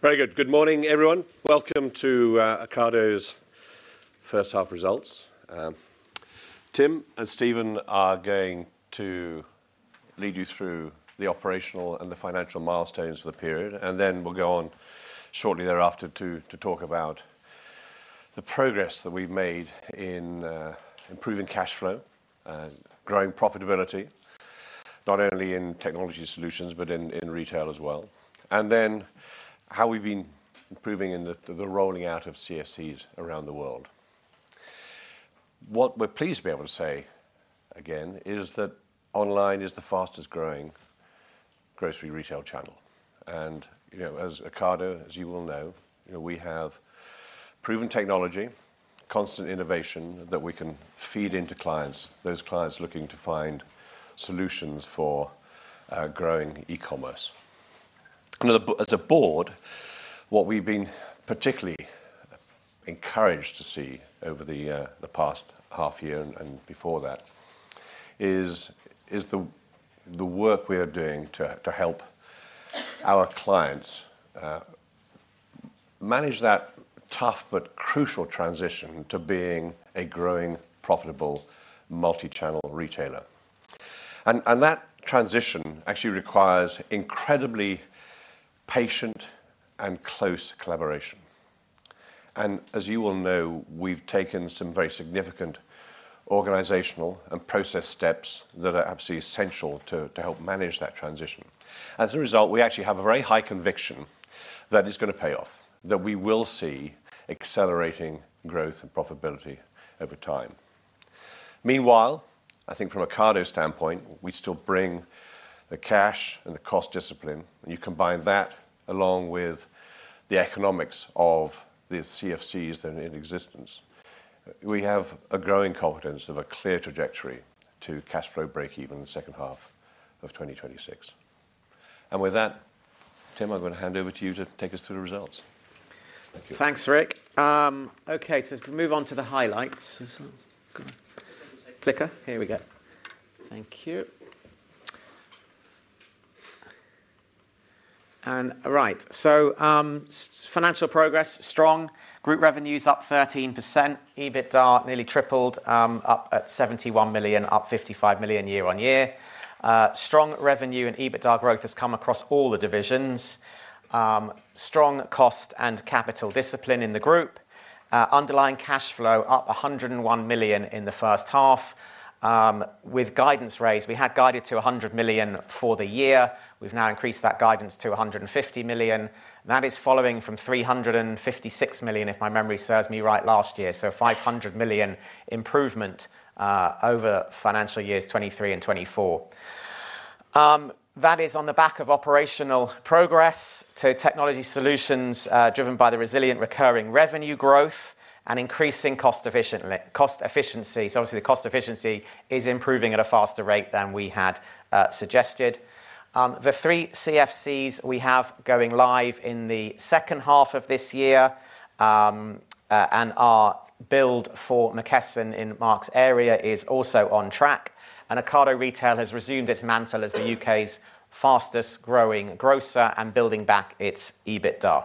Very good. Good morning, everyone. Welcome to Ocado's first half results. Tim and Stephen are going to lead you through the operational and the financial milestones for the period, and then we'll go on shortly thereafter to talk about the progress that we've made in improving cash flow, growing profitability, not only in technology solutions, but in retail as well. And then how we've been improving in the rolling out of CFCs around the world. What we're pleased to be able to say again is that online is the fastest growing grocery retail channel, and, you know, as Ocado, as you all know, you know, we have proven technology, constant innovation that we can feed into clients, those clients looking to find solutions for growing e-commerce. As a board, what we've been particularly encouraged to see over the past half year and before that is the work we are doing to help our clients manage that tough but crucial transition to being a growing, profitable, multi-channel retailer. And that transition actually requires incredibly patient and close collaboration. And as you all know, we've taken some very significant organizational and process steps that are absolutely essential to help manage that transition. As a result, we actually have a very high conviction that it's going to pay off, that we will see accelerating growth and profitability over time. Meanwhile, I think from Ocado's standpoint, we still bring the cash and the cost discipline, and you combine that along with the economics of the CFCs that are in existence. We have a growing confidence in a clear trajectory to cash flow breakeven in the second half of 2026. With that, Tim, I'm going to hand over to you to take us through the results. Thank you. Thanks, Rick. Okay, so as we move on to the highlights. Clicker? Here we go. Thank you. And right, so financial progress, strong. Group revenue's up 13%. EBITDA nearly tripled, up at 71 million, up 55 million year on year. Strong revenue and EBITDA growth has come across all the divisions. Strong cost and capital discipline in the group. Underlying cash flow up 101 million in the first half. With guidance raised, we had guided to 100 million for the year. We've now increased that guidance to 150 million. That is following from 356 million, if my memory serves me right, last year, so 500 million improvement, over financial years 2023 and 2024. That is on the back of operational progress to Technology Solutions, driven by the resilient recurring revenue growth and increasing cost efficiency. So obviously, the cost efficiency is improving at a faster rate than we had suggested. The three CFCs we have going live in the second half of this year, and our build for McKesson in Mark's area is also on track, and Ocado Retail has resumed its mantle as the U.K.'s fastest growing grocer and building back its EBITDA.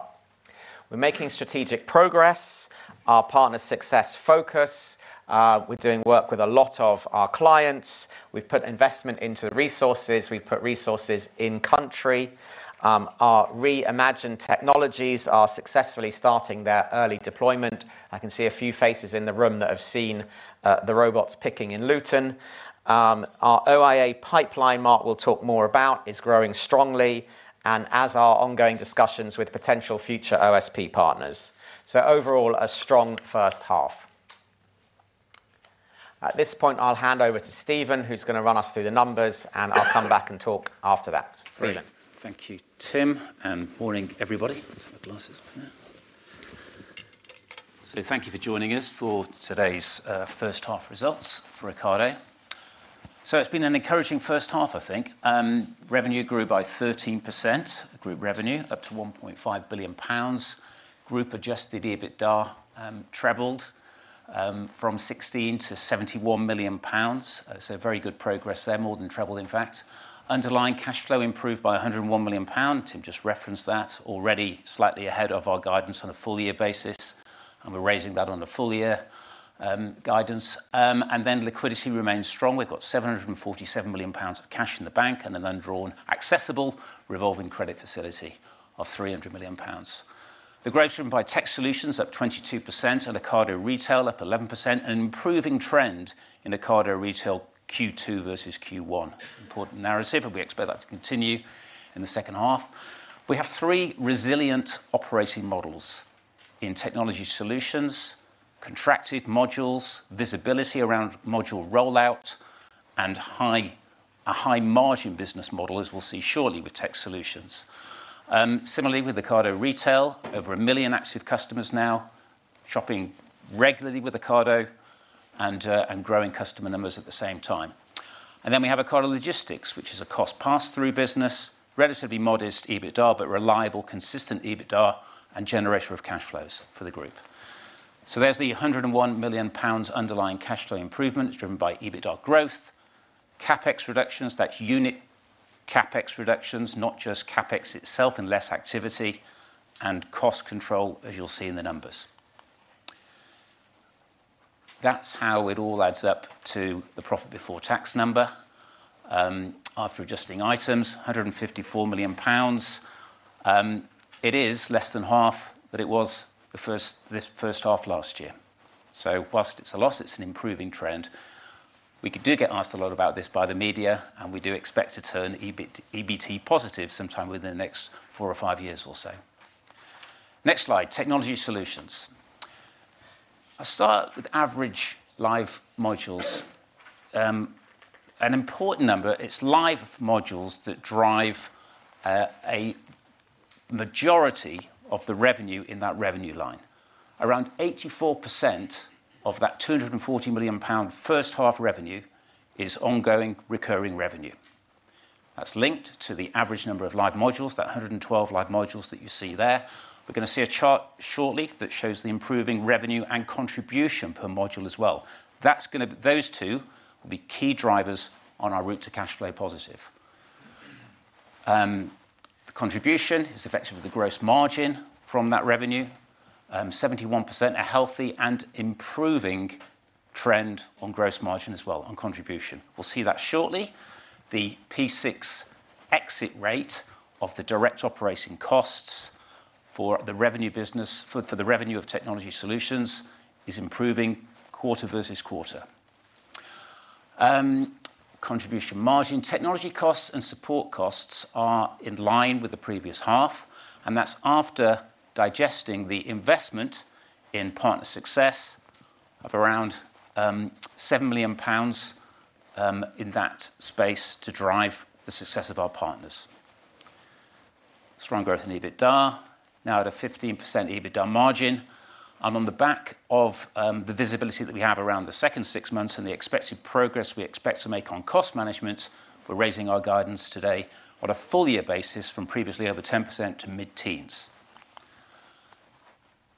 We're making strategic progress, our Partner Success focus. We're doing work with a lot of our clients. We've put investment into resources, we've put resources in country. Our Re:Imagined technologies are successfully starting their early deployment. I can see a few faces in the room that have seen the robots picking in Luton. Our OIA pipeline, Mark will talk more about, is growing strongly, and so are ongoing discussions with potential future OSP partners. So overall, a strong first half. At this point, I'll hand over to Stephen, who's going to run us through the numbers, and I'll come back and talk after that. Stephen. Great. Thank you, Tim, and morning, everybody. Let's have my glasses on there. So thank you for joining us for today's first half results for Ocado. So it's been an encouraging first half, I think. Revenue grew by 13%, group revenue, up to 1.5 billion pounds. Group adjusted EBITDA trebled from 16 million to 71 million pounds. So very good progress there, more than trebled, in fact. Underlying cash flow improved by 101 million pound, Tim just referenced that, already slightly ahead of our guidance on a full year basis, and we're raising that on the full year guidance. And then liquidity remains strong. We've got 747 million pounds of cash in the bank and an undrawn, accessible revolving credit facility of 300 million pounds. The growth driven by tech solutions up 22%, and Ocado Retail up 11%, an improving trend in Ocado Retail Q2 versus Q1. Important narrative, and we expect that to continue in the second half. We have three resilient operating models in technology solutions, contracted modules, visibility around module rollout, and a high margin business model, as we'll see shortly with tech solutions. Similarly, with Ocado Retail, over a million active customers now shopping regularly with Ocado and growing customer numbers at the same time. And then we have Ocado Logistics, which is a cost pass-through business, relatively modest EBITDA, but reliable, consistent EBITDA and generation of cash flows for the group. So there's the 101 million pounds underlying cash flow improvement. It's driven by EBITDA growth. CapEx reductions, that's unit CapEx reductions, not just CapEx itself and less activity, and cost control, as you'll see in the numbers. That's how it all adds up to the profit before tax number. After adjusting items, 154 million pounds. It is less than half, but it was this first half last year. So whilst it's a loss, it's an improving trend. We do get asked a lot about this by the media, and we do expect to turn EBIT, EBT positive sometime within the next four or five years or so. Next slide, Technology Solutions. I'll start with average live modules. An important number, it's live modules that drive a majority of the revenue in that revenue line. Around 84% of that 240 million pound first half revenue is ongoing recurring revenue. That's linked to the average number of live modules, that 112 live modules that you see there. We're going to see a chart shortly that shows the improving revenue and contribution per module as well. That's going to, those two will be key drivers on our route to cash flow positive. The contribution is effectively the gross margin from that revenue. 71%, a healthy and improving trend on gross margin as well on contribution. We'll see that shortly. The P6 exit rate of the direct operating costs for the revenue business, for, for the revenue of Technology Solutions, is improving quarter versus quarter. Contribution margin. Technology costs and support costs are in line with the previous half, and that's after digesting the investment in Partner Success of around, 7 million pounds, in that space to drive the success of our partners. Strong growth in EBITDA, now at a 15% EBITDA margin, and on the back of the visibility that we have around the second six months and the expected progress we expect to make on cost management, we're raising our guidance today on a full year basis from previously over 10% to mid-teens.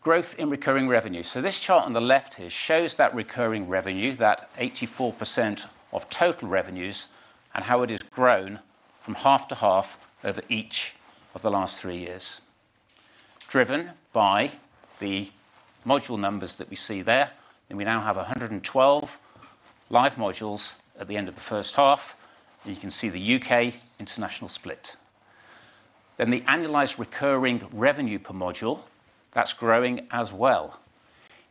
Growth in recurring revenue. So this chart on the left here shows that recurring revenue, that 84% of total revenues and how it has grown from half to half over each of the last three years, driven by the module numbers that we see there, and we now have 112 live modules at the end of the first half. You can see the U.K. international split. Then the annualized recurring revenue per module, that's growing as well.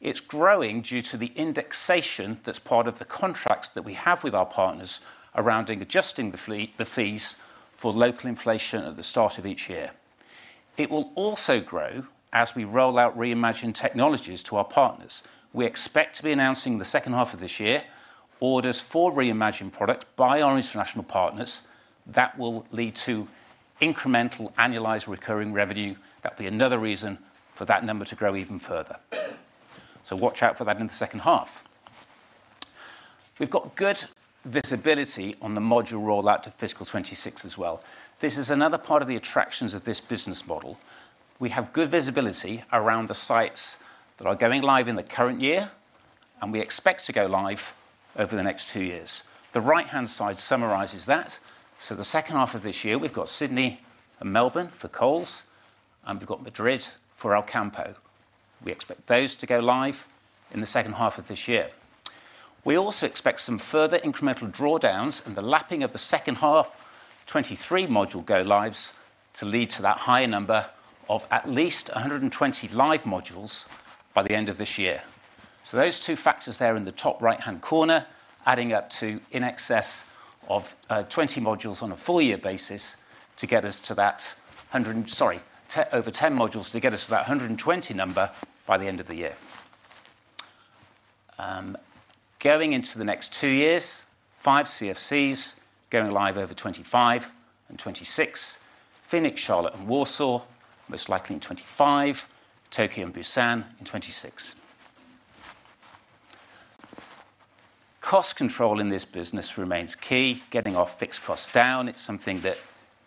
It's growing due to the indexation that's part of the contracts that we have with our partners around adjusting the fee, the fees for local inflation at the start of each year. It will also grow as we roll out Re:Imagined technologies to our partners. We expect to be announcing the second half of this year, orders for Re:Imagined products by our international partners that will lead to incremental annualized recurring revenue. That'll be another reason for that number to grow even further. So watch out for that in the second half. We've got good visibility on the module rollout to fiscal 2026 as well. This is another part of the attractions of this business model. We have good visibility around the sites that are going live in the current year, and we expect to go live over the next two years. The right-hand side summarizes that. So the second half of this year, we've got Sydney and Melbourne for Coles, and we've got Madrid for Alcampo. We expect those to go live in the second half of this year. We also expect some further incremental drawdowns and the lapping of the second half 2023 module go lives to lead to that higher number of at least 120 live modules by the end of this year. So those two factors there in the top right-hand corner, adding up to in excess of 20 modules on a full year basis to get us to that 100 and over 10 modules to get us to that 120 number by the end of the year. Going into the next two years, five CFCs going live over 2025 and 2026. Phoenix, Charlotte, and Warsaw, most likely in 2025. Tokyo and Busan in 2026. Cost control in this business remains key. Getting our fixed costs down, it's something that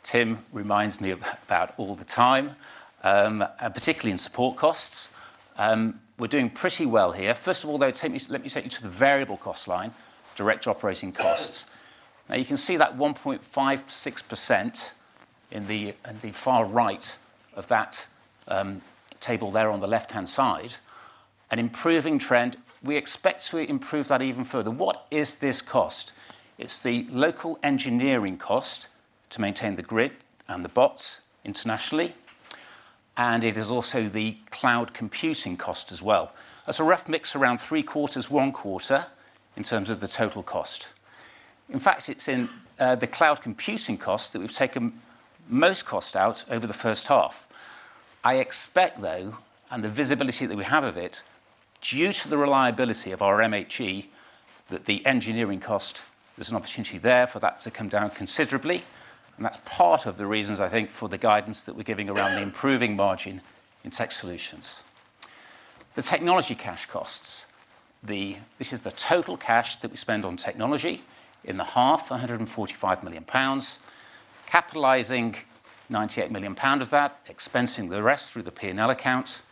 Tim reminds me about all the time, and particularly in support costs. We're doing pretty well here. First of all, though, let me take you to the variable cost line, direct operating costs. Now, you can see that 1.56% in the far right of that table there on the left-hand side, an improving trend. We expect to improve that even further. What is this cost? It's the local engineering cost to maintain the grid and the bots internationally, and it is also the cloud computing cost as well. That's a rough mix, around three-quarters, one quarter, in terms of the total cost. In fact, it's in the cloud computing cost that we've taken most cost out over the first half. I expect, though, and the visibility that we have of it, due to the reliability of our MHE, that the engineering cost, there's an opportunity there for that to come down considerably, and that's part of the reasons, I think, for the guidance that we're giving around the improving margin in tech solutions. The technology cash costs. This is the total cash that we spend on technology. In the half of 145 million pounds, capitalizing 98 million pounds of that, expensing the rest through the P&L account.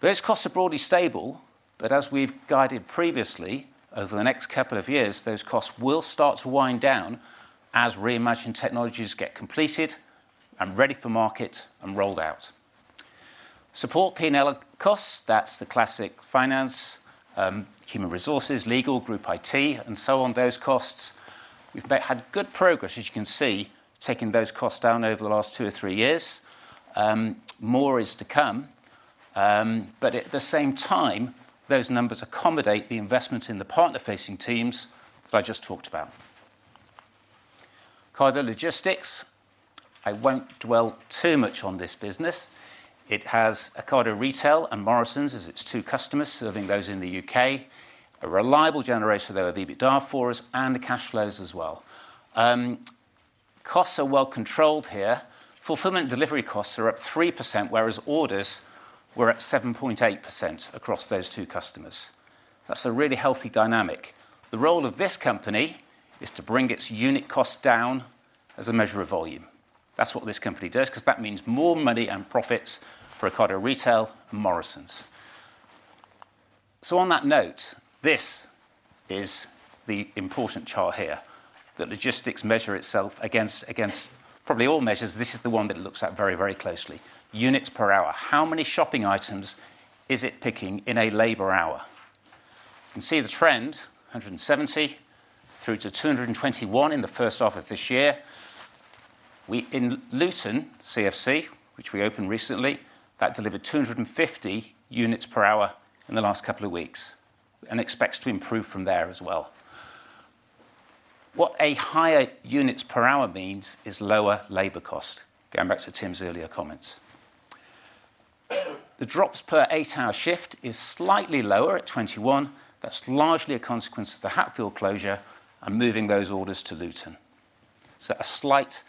Those costs are broadly stable, but as we've guided previously, over the next couple of years, those costs will start to wind down as Re:Imagined technologies get completed and ready for market and rolled out. Support P&L costs, that's the classic finance, human resources, legal, group IT, and so on, those costs, we've made good progress, as you can see, taking those costs down over the last two or three years. More is to come, but at the same time, those numbers accommodate the investment in the partner-facing teams that I just talked about. Ocado Logistics, I won't dwell too much on this business. It has Ocado Retail and Morrisons as its two customers, serving those in the U.K. A reliable generator of their EBITDA for us and the cash flows as well. Costs are well controlled here. Fulfillment and delivery costs are up 3%, whereas orders were at 7.8% across those two customers. That's a really healthy dynamic. The role of this company is to bring its unit cost down as a measure of volume. That's what this company does, 'cause that means more money and profits for Ocado Retail and Morrisons. So on that note, this is the important chart here. The logistics measure itself against probably all measures, this is the one that it looks at very, very closely. Units per hour. How many shopping items is it picking in a labor hour? You can see the trend, 170 through to 221 in the first half of this year. In Luton CFC, which we opened recently, that delivered 250 units per hour in the last couple of weeks, and expects to improve from there as well. What a higher units per hour means is lower labor cost, going back to Tim's earlier comments. The drops per eight-hour shift is slightly lower at 21. That's largely a consequence of the Hatfield closure and moving those orders to Luton. So a slight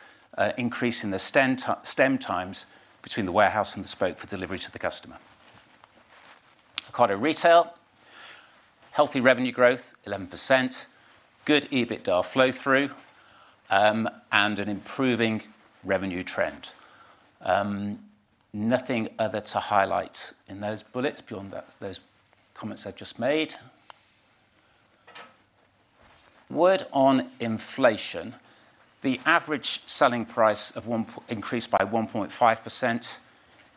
increase in the stem times between the warehouse and the spoke for delivery to the customer. Ocado Retail, healthy revenue growth, 11%, good EBITDA flow-through, and an improving revenue trend. Nothing other to highlight in those bullets beyond that, those comments I've just made. Word on inflation. The average selling price increased by 1.5%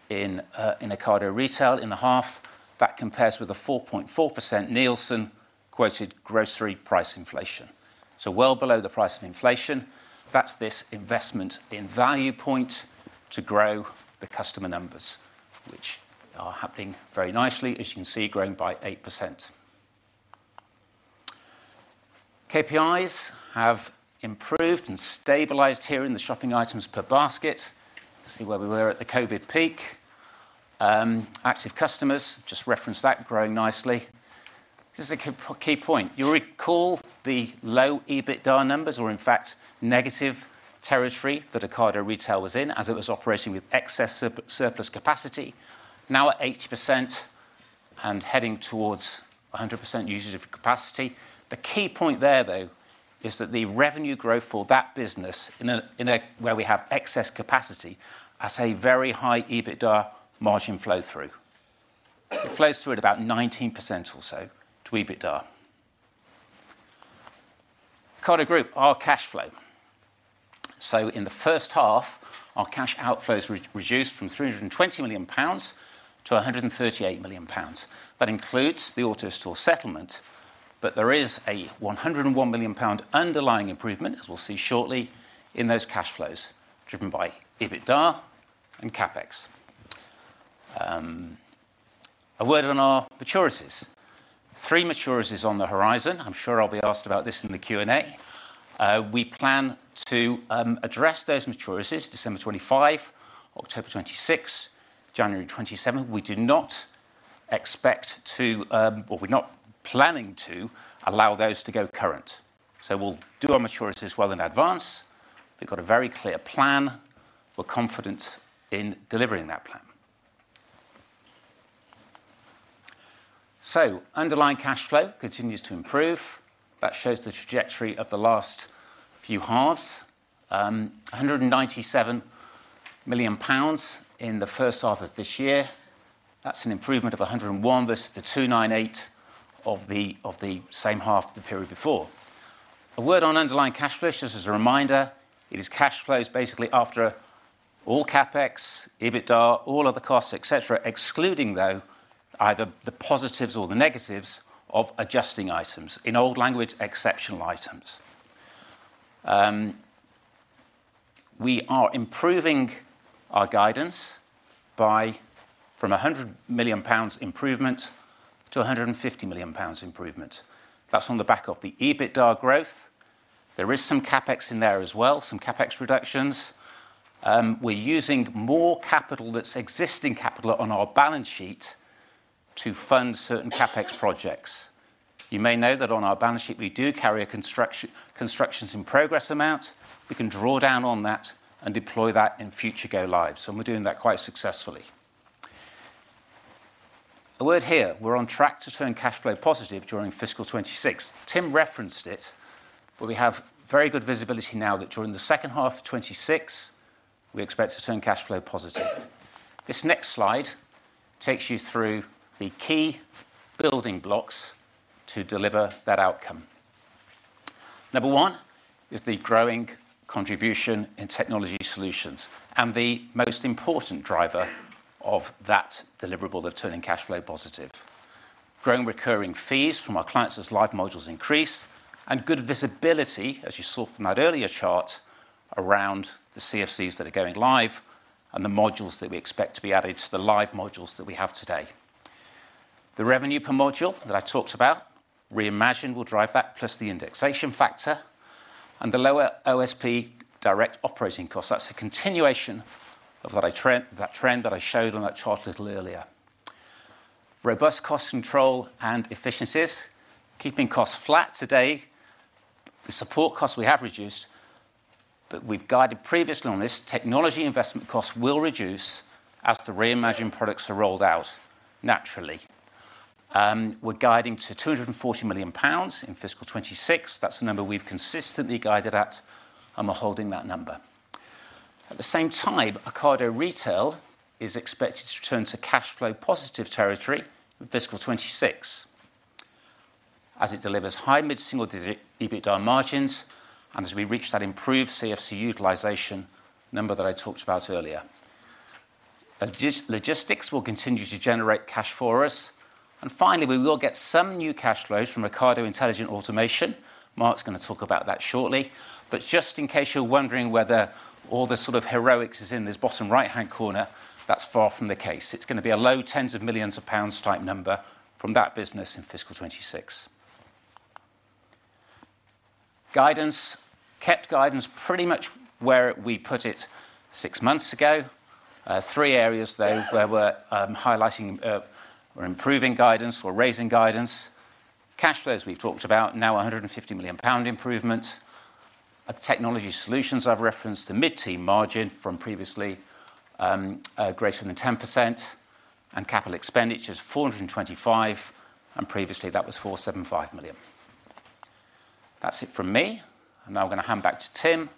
in Ocado Retail in the half. That compares with the 4.4% Nielsen quoted grocery price inflation. So well below the price of inflation. That's this investment in value point to grow the customer numbers, which are happening very nicely, as you can see, growing by 8%. KPIs have improved and stabilized here in the shopping items per basket. See where we were at the COVID peak. Active customers, just referenced that, growing nicely. This is a key point. You'll recall the low EBITDA numbers were, in fact, negative territory that Ocado Retail was in, as it was operating with excess surplus capacity. Now at 80% and heading towards 100% usage of capacity. The key point there, though, is that the revenue growth for that business in a where we have excess capacity, has a very high EBITDA margin flow-through. It flows through at about 19% or so to EBITDA. Ocado Group, our cash flow. So in the first half, our cash outflows reduced from 320 million pounds to 138 million pounds. That includes the AutoStore settlement, but there is a 101 million pound underlying improvement, as we'll see shortly, in those cash flows, driven by EBITDA and CapEx. A word on our maturities. Three maturities on the horizon. I'm sure I'll be asked about this in the Q&A. We plan to address those maturities, December 2025, October 2026, January 2027. We do not expect to, or we're not planning to allow those to go current. So we'll do our maturities well in advance. We've got a very clear plan. We're confident in delivering that plan. So underlying cash flow continues to improve. That shows the trajectory of the last few halves. A 197 million pounds in the first half of this year. That's an improvement of 101 versus the 298 of the same half of the period before. A word on underlying cash flows, just as a reminder, it is cash flows basically after all CapEx, EBITDA, all other costs, et cetera, excluding, though, either the positives or the negatives of adjusting items. In old language, exceptional items. We are improving our guidance by from a 100 million pounds improvement to a 150 million pounds improvement. That's on the back of the EBITDA growth. There is some CapEx in there as well, some CapEx reductions. We're using more capital, that's existing capital, on our balance sheet to fund certain CapEx projects. You may know that on our balance sheet, we do carry a constructions in progress amount. We can draw down on that and deploy that in future go lives, and we're doing that quite successfully. A word here, we're on track to turn cash flow positive during fiscal 2026. Tim referenced it, but we have very good visibility now that during the second half of 2026 we expect to turn cash flow positive. This next slide takes you through the key building blocks to deliver that outcome. 1 is the growing contribution in technology solutions, and the most important driver of that deliverable of turning cash flow positive. Growing recurring fees from our clients as live modules increase, and good visibility, as you saw from that earlier chart, around the CFCs that are going live and the modules that we expect to be added to the live modules that we have today. The revenue per module that I talked about, Re:Imagined will drive that, plus the indexation factor and the lower OSP direct operating costs. That's a continuation of that trend that I showed on that chart a little earlier. Robust cost control and efficiencies, keeping costs flat today. The support costs we have reduced, but we've guided previously on this, technology investment costs will reduce as the Re:Imagined products are rolled out naturally. We're guiding to 240 million pounds in fiscal 2026. That's the number we've consistently guided at, and we're holding that number. At the same time, Ocado Retail is expected to return to cash flow positive territory in fiscal 2026, as it delivers high mid-single digit EBITDA margins, and as we reach that improved CFC utilization number that I talked about earlier. Logistics will continue to generate cash for us, and finally, we will get some new cash flows from Ocado Intelligent Automation. Mark's going to talk about that shortly, but just in case you're wondering whether all the sort of heroics is in this bottom right-hand corner, that's far from the case. It's going to be a low tens of millions pounds type number from that business in fiscal 2026. Guidance. Kept guidance pretty much where we put it six months ago. Three areas, though, where we're highlighting, we're improving guidance or raising guidance. Cash flows, we've talked about, now a 150 million pound improvement. At technology solutions, I've referenced the mid-teen margin from previously, greater than 10%, and capital expenditures, 425 million, and previously, that was 475 million. That's it from me, and now I'm going to hand back to Tim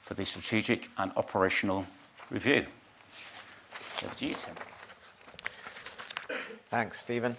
for the strategic and operational review. Over to you, Tim. Thanks, Stephen.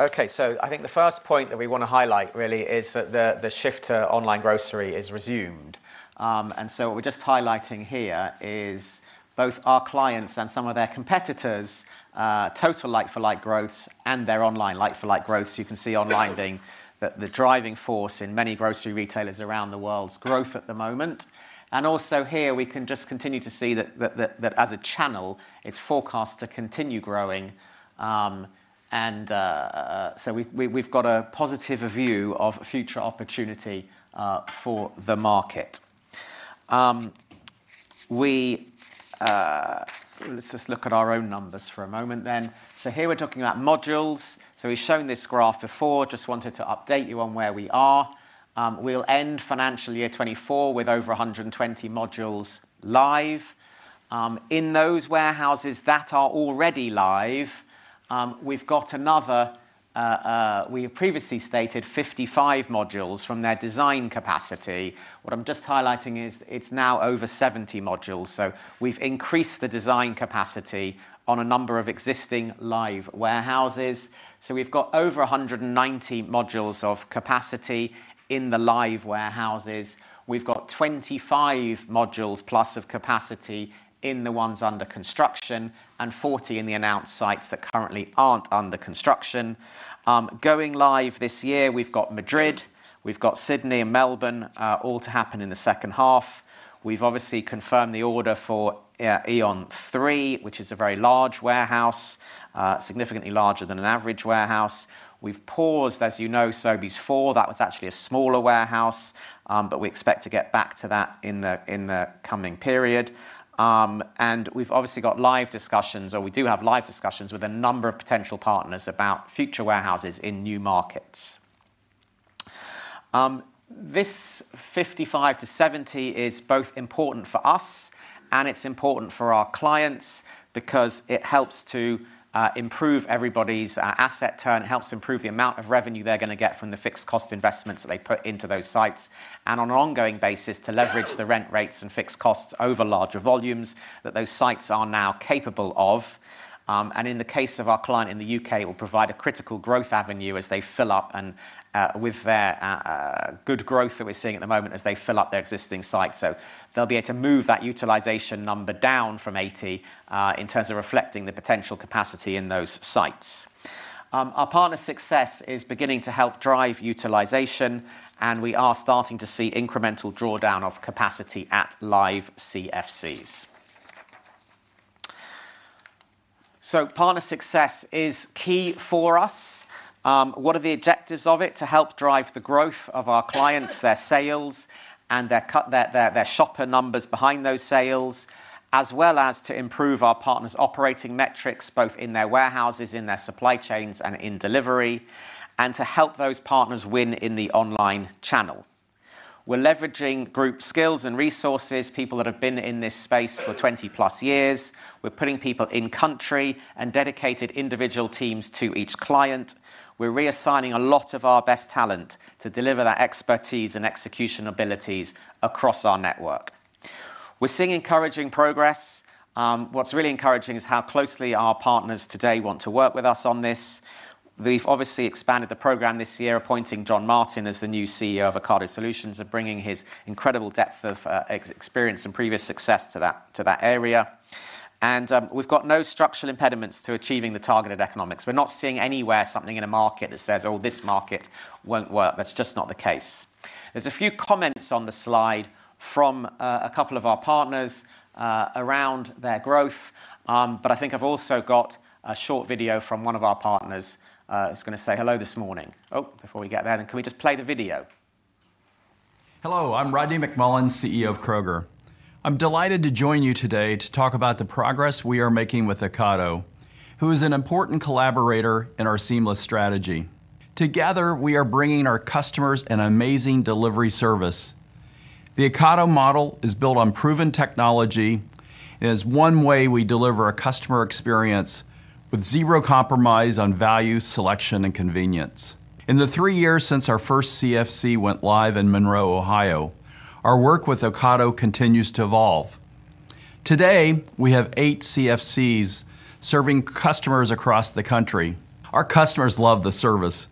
Okay, so I think the first point that we want to highlight really is that the shift to online grocery is resumed. And so what we're just highlighting here is both our clients and some of their competitors, total like-for-like growth and their online like-for-like growth. You can see online being the driving force in many grocery retailers around the world's growth at the moment. And also here, we can just continue to see that as a channel, it's forecast to continue growing. So we've got a positive view of future opportunity for the market. Let's just look at our own numbers for a moment then. So here we're talking about modules. So we've shown this graph before. Just wanted to update you on where we are. We'll end financial year 2024 with over 120 modules live. In those warehouses that are already live, we have previously stated 55 modules from their design capacity. What I'm just highlighting is it's now over 70 modules, so we've increased the design capacity on a number of existing live warehouses. So we've got over 190 modules of capacity in the live warehouses. We've got 25 modules plus of capacity in the ones under construction, and 40 in the announced sites that currently aren't under construction. Going live this year, we've got Madrid, we've got Sydney and Melbourne, all to happen in the second half. We've obviously confirmed the order for Aeon 3, which is a very large warehouse, significantly larger than an average warehouse. We've paused, as you know, Sobeys 4. That was actually a smaller warehouse, but we expect to get back to that in the coming period. And we've obviously got live discussions, or we do have live discussions with a number of potential partners about future warehouses in new markets. This 55-70 is both important for us, and it's important for our clients because it helps to improve everybody's asset turn, helps improve the amount of revenue they're going to get from the fixed cost investments that they put into those sites, and on an ongoing basis, to leverage the rent rates and fixed costs over larger volumes that those sites are now capable of. In the case of our client in the U.K., it will provide a critical growth avenue as they fill up and, with their good growth that we're seeing at the moment as they fill up their existing sites. So they'll be able to move that utilization number down from 80, in terms of reflecting the potential capacity in those sites. Our Partner Success is beginning to help drive utilization, and we are starting to see incremental drawdown of capacity at live CFCs. So Partner Success is key for us. What are the objectives of it? To help drive the growth of our clients, their sales, and their cut, their shopper numbers behind those sales, as well as to improve our partners' operating metrics, both in their warehouses, in their supply chains, and in delivery, and to help those partners win in the online channel. We're leveraging group skills and resources, people that have been in this space for 20+ years. We're putting people in country and dedicated individual teams to each client. We're reassigning a lot of our best talent to deliver that expertise and execution abilities across our network. We're seeing encouraging progress. What's really encouraging is how closely our partners today want to work with us on this. We've obviously expanded the program this year, appointing John Martin as the new CEO of Ocado Solutions, and bringing his incredible depth of experience and previous success to that area. We've got no structural impediments to achieving the targeted economics. We're not seeing anywhere something in a market that says, "Oh, this market won't work." That's just not the case. There's a few comments on the slide from a couple of our partners around their growth. But I think I've also got a short video from one of our partners who's going to say hello this morning. Oh, before we get there, then, can we just play the video? Hello, I'm Rodney McMullen, CEO of Kroger. I'm delighted to join you today to talk about the progress we are making with Ocado, who is an important collaborator in our seamless strategy. Together, we are bringing our customers an amazing delivery service. The Ocado model is built on proven technology, and is one way we deliver a customer experience with zero compromise on value, selection, and convenience. In the three years since our first CFC went live in Monroe, Ohio, our work with Ocado continues to evolve. Today, we have eight CFCs serving customers across the country. Our customers love the service,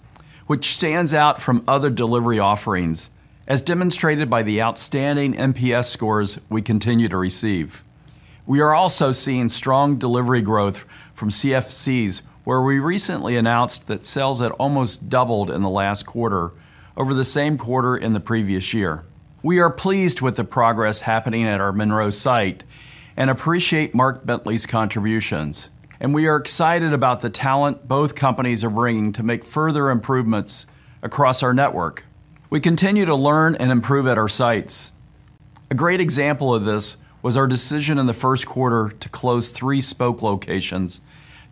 which stands out from other delivery offerings, as demonstrated by the outstanding NPS scores we continue to receive. We are also seeing strong delivery growth from CFCs, where we recently announced that sales had almost doubled in the last quarter over the same quarter in the previous year. We are pleased with the progress happening at our Monroe site, and appreciate Mark Bentley's contributions, and we are excited about the talent both companies are bringing to make further improvements across our network. We continue to learn and improve at our sites. A great example of this was our decision in the first quarter to close three Spoke locations,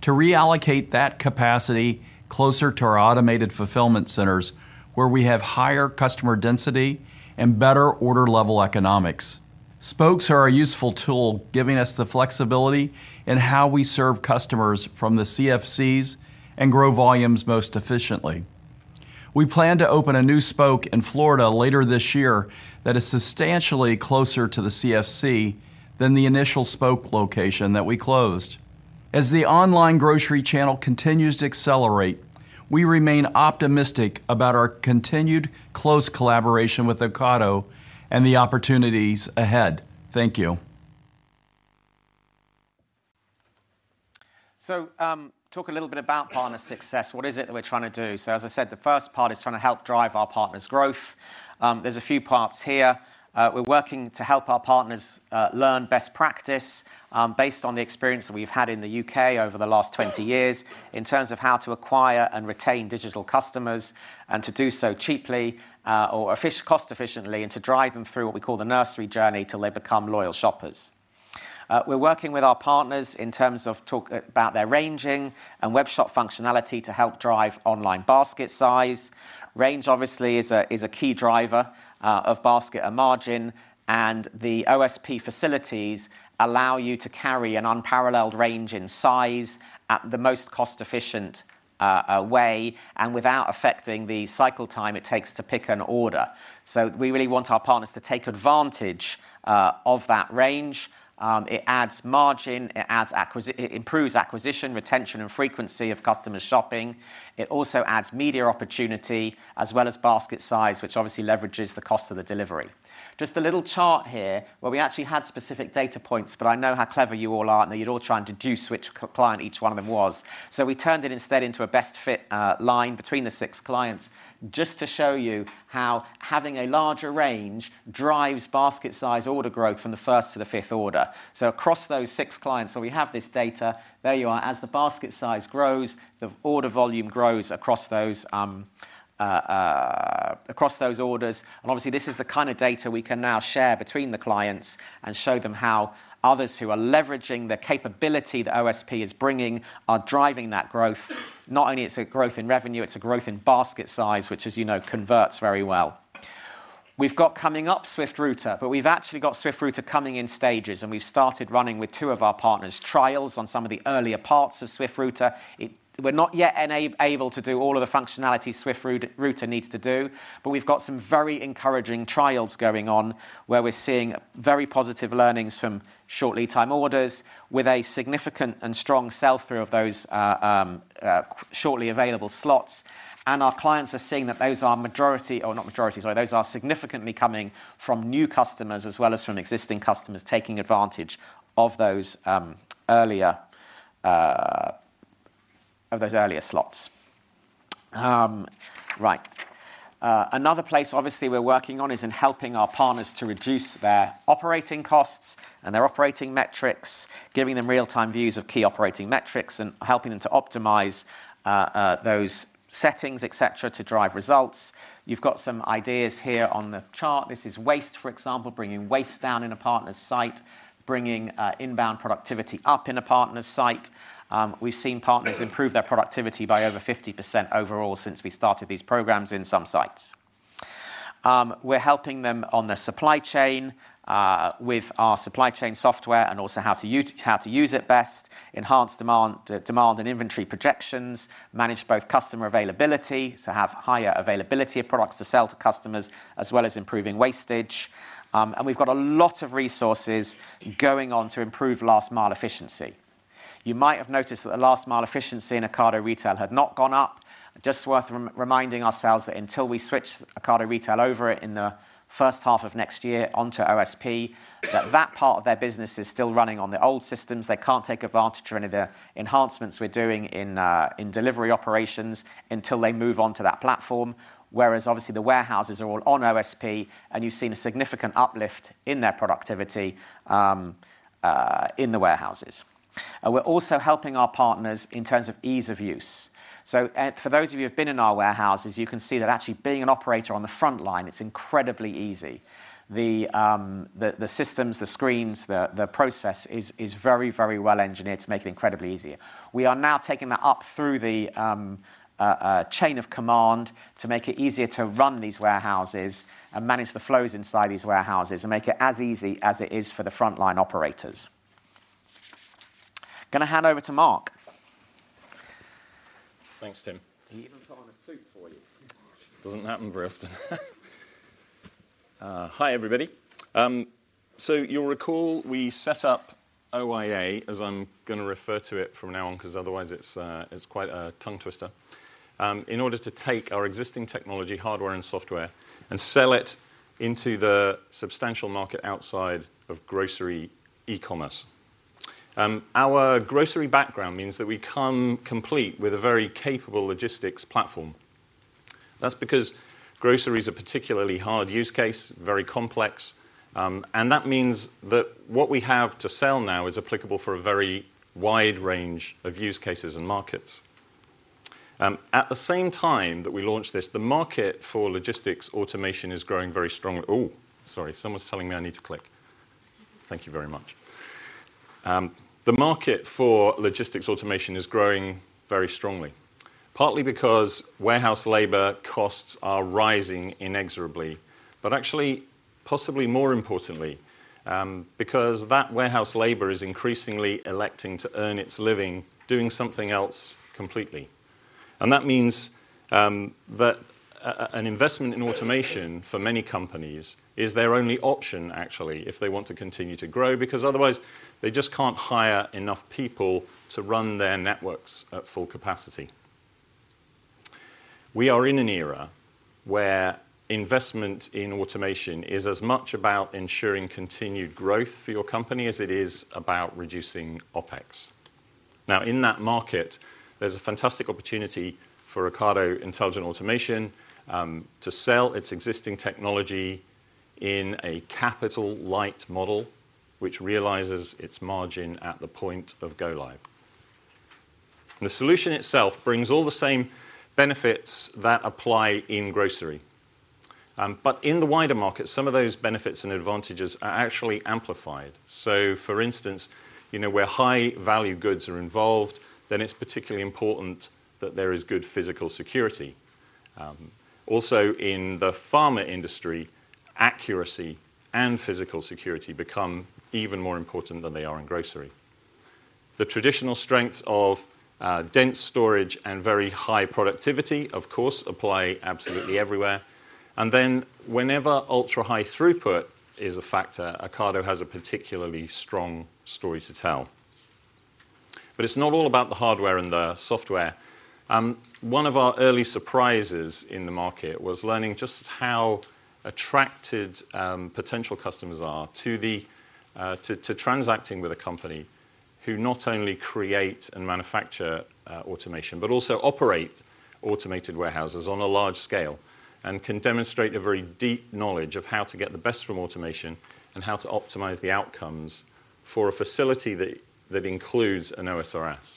to reallocate that capacity closer to our automated fulfillment centers, where we have higher customer density and better order level economics. Spokes are a useful tool, giving us the flexibility in how we serve customers from the CFCs and grow volumes most efficiently. We plan to open a new Spoke in Florida later this year that is substantially closer to the CFC than the initial Spoke location that we closed. As the online grocery channel continues to accelerate, we remain optimistic about our continued close collaboration with Ocado and the opportunities ahead. Thank you. So, talk a little bit about partner success. What is it that we're trying to do? So, as I said, the first part is trying to help drive our partners' growth. There's a few parts here. We're working to help our partners learn best practice, based on the experience that we've had in the U.K. over the last 20 years, in terms of how to acquire and retain digital customers, and to do so cheaply, or cost efficiently, and to drive them through what we call the nursery journey, till they become loyal shoppers. We're working with our partners in terms of talk about their ranging and webshop functionality to help drive online basket size. Range, obviously, is a key driver of basket and margin, and the OSP facilities allow you to carry an unparalleled range in size at the most cost efficient way, and without affecting the cycle time it takes to pick an order. So we really want our partners to take advantage of that range. It adds margin, it improves acquisition, retention, and frequency of customer shopping. It also adds media opportunity, as well as basket size, which obviously leverages the cost of the delivery. Just a little chart here, where we actually had specific data points, but I know how clever you all are, and that you'd all try and deduce which client each one of them was. So we turned it instead into a best fit line between the six clients, just to show you how having a larger range drives basket size order growth from the first to the fifth order. So across those six clients, so we have this data. There you are. As the basket size grows, the order volume grows across those, across those orders. And obviously, this is the kind of data we can now share between the clients and show them how others who are leveraging the capability that OSP is bringing are driving that growth. Not only it's a growth in revenue, it's a growth in basket size, which, as you know, converts very well. We've got coming up Swift Router, but we've actually got Swift Router coming in stages, and we've started running with two of our partners, trials on some of the earlier parts of Swift Router. We're not yet able to do all of the functionality Swift Router needs to do, but we've got some very encouraging trials going on, where we're seeing very positive learnings from short lead time orders, with a significant and strong sell-through of those shortly available slots. And our clients are seeing that those are majority, or not majority, sorry, those are significantly coming from new customers, as well as from existing customers, taking advantage of those earlier slots. Another place obviously we're working on is in helping our partners to reduce their operating costs and their operating metrics, giving them real-time views of key operating metrics, and helping them to optimize those settings, et cetera, to drive results. You've got some ideas here on the chart. This is waste, for example, bringing waste down in a partner's site, bringing inbound productivity up in a partner's site. We've seen partners improve their productivity by over 50% overall since we started these programs in some sites. We're helping them on their supply chain with our supply chain software, and also how to use it best, enhance demand, demand and inventory projections, manage both customer availability, so have higher availability of products to sell to customers, as well as improving wastage. And we've got a lot of resources going on to improve last-mile efficiency. You might have noticed that the last mile efficiency in Ocado Retail had not gone up. Just worth re-reminding ourselves that until we switch Ocado Retail over in the first half of next year onto OSP, that that part of their business is still running on the old systems. They can't take advantage of any of the enhancements we're doing in delivery operations until they move on to that platform. Whereas obviously the warehouses are all on OSP, and you've seen a significant uplift in their productivity in the warehouses. And we're also helping our partners in terms of ease of use. So, for those of you who have been in our warehouses, you can see that actually being an operator on the frontline, it's incredibly easy. The systems, the screens, the process is very, very well engineered to make it incredibly easier. We are now taking that up through the chain of command to make it easier to run these warehouses and manage the flows inside these warehouses and make it as easy as it is for the frontline operators. Gonna hand over to Mark. Thanks, Tim. He even put on a suit for you. Doesn't happen very often. Hi, everybody. So you'll recall we set up OIA, as I'm gonna refer to it from now on, 'cause otherwise, it's quite a tongue twister, in order to take our existing technology, hardware, and software, and sell it into the substantial market outside of grocery e-commerce. Our grocery background means that we come complete with a very capable logistics platform. That's because groceries are particularly hard use case, very complex, and that means that what we have to sell now is applicable for a very wide range of use cases and markets. At the same time that we launched this, the market for logistics automation is growing very strongly. Oh, sorry, someone's telling me I need to click. Thank you very much. The market for logistics automation is growing very strongly, partly because warehouse labor costs are rising inexorably, but actually, possibly more importantly, because that warehouse labor is increasingly electing to earn its living doing something else completely. That means that an investment in automation for many companies is their only option, actually, if they want to continue to grow, because otherwise, they just can't hire enough people to run their networks at full capacity. We are in an era where investment in automation is as much about ensuring continued growth for your company as it is about reducing OpEx. Now, in that market, there's a fantastic opportunity for Ocado Intelligent Automation to sell its existing technology in a capital light model, which realizes its margin at the point of go live. The solution itself brings all the same benefits that apply in grocery. But in the wider market, some of those benefits and advantages are actually amplified. So, for instance, you know, where high value goods are involved, then it's particularly important that there is good physical security. Also, in the pharma industry, accuracy and physical security become even more important than they are in grocery. The traditional strengths of dense storage and very high productivity, of course, apply absolutely everywhere. And then, whenever ultra-high throughput is a factor, Ocado has a particularly strong story to tell. But it's not all about the hardware and the software. One of our early surprises in the market was learning just how attracted potential customers are to the to transacting with a company who not only create and manufacture automation, but also operate automated warehouses on a large scale, and can demonstrate a very deep knowledge of how to get the best from automation and how to optimize the outcomes for a facility that includes an ASRS.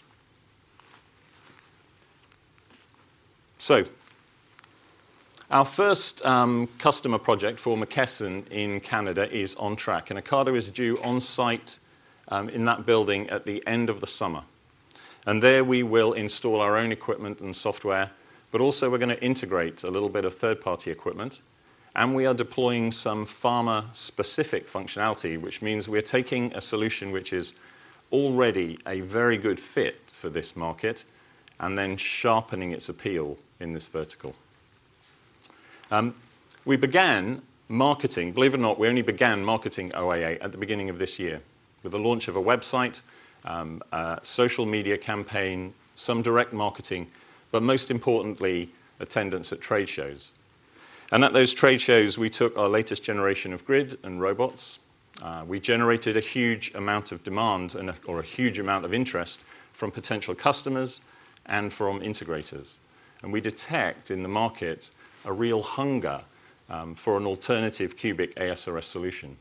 So, our first customer project for McKesson in Canada is on track, and Ocado is due on site in that building at the end of the summer, and there we will install our own equipment and software, but also we're gonna integrate a little bit of third-party equipment, and we are deploying some pharma-specific functionality, which means we're taking a solution which is already a very good fit for this market, and then sharpening its appeal in this vertical. We began marketing. Believe it or not, we only began marketing OIA at the beginning of this year with the launch of a website, a social media campaign, some direct marketing, but most importantly, attendance at trade shows. And at those trade shows, we took our latest generation of grid and robots. We generated a huge amount of demand or a huge amount of interest from potential customers and from integrators, and we detect in the market a real hunger for an alternative cubic ASRS solution.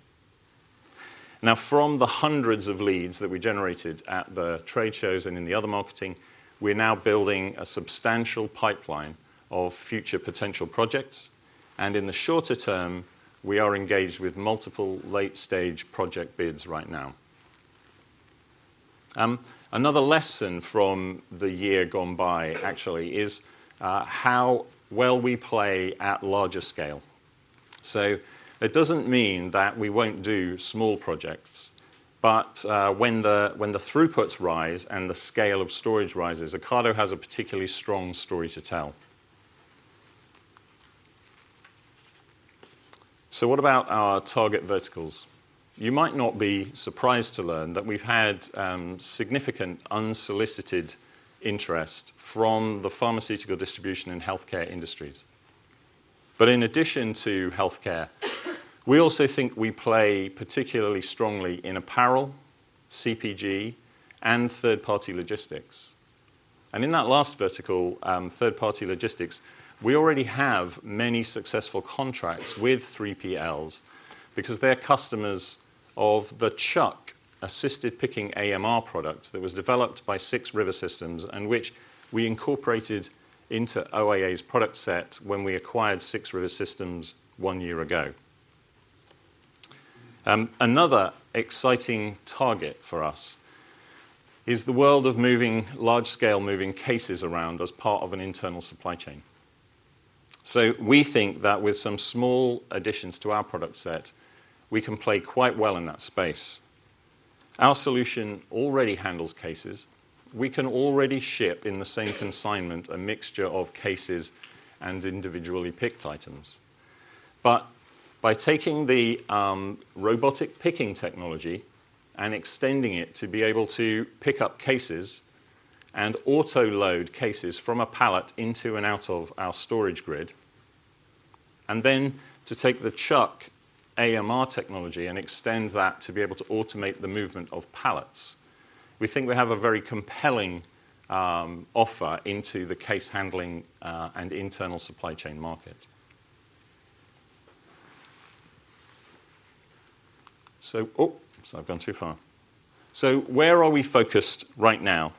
Now, from the hundreds of leads that we generated at the trade shows and in the other marketing, we're now building a substantial pipeline of future potential projects, and in the shorter term, we are engaged with multiple late-stage project bids right now. Another lesson from the year gone by, actually, is how well we play at larger scale. So it doesn't mean that we won't do small projects, but when the throughputs rise and the scale of storage rises, Ocado has a particularly strong story to tell. So what about our target verticals? You might not be surprised to learn that we've had significant unsolicited interest from the pharmaceutical distribution and healthcare industries. But in addition to healthcare, we also think we play particularly strongly in apparel, CPG, and third-party logistics. And in that last vertical, third-party logistics, we already have many successful contracts with 3PLs because they're customers of the Chuck assisted picking AMR product that was developed by 6 River Systems, and which we incorporated into OIA's product set when we acquired 6 River Systems one year ago. Another exciting target for us is the world of moving large-scale moving cases around as part of an internal supply chain. So we think that with some small additions to our product set, we can play quite well in that space. Our solution already handles cases. We can already ship in the same consignment, a mixture of cases and individually picked items. But by taking the robotic picking technology and extending it to be able to pick up cases and autoload cases from a pallet into and out of our storage grid, and then to take the Chuck AMR technology and extend that to be able to automate the movement of pallets, we think we have a very compelling offer into the case handling and internal supply chain market. So, oh, so I've gone too far. So where are we focused right now?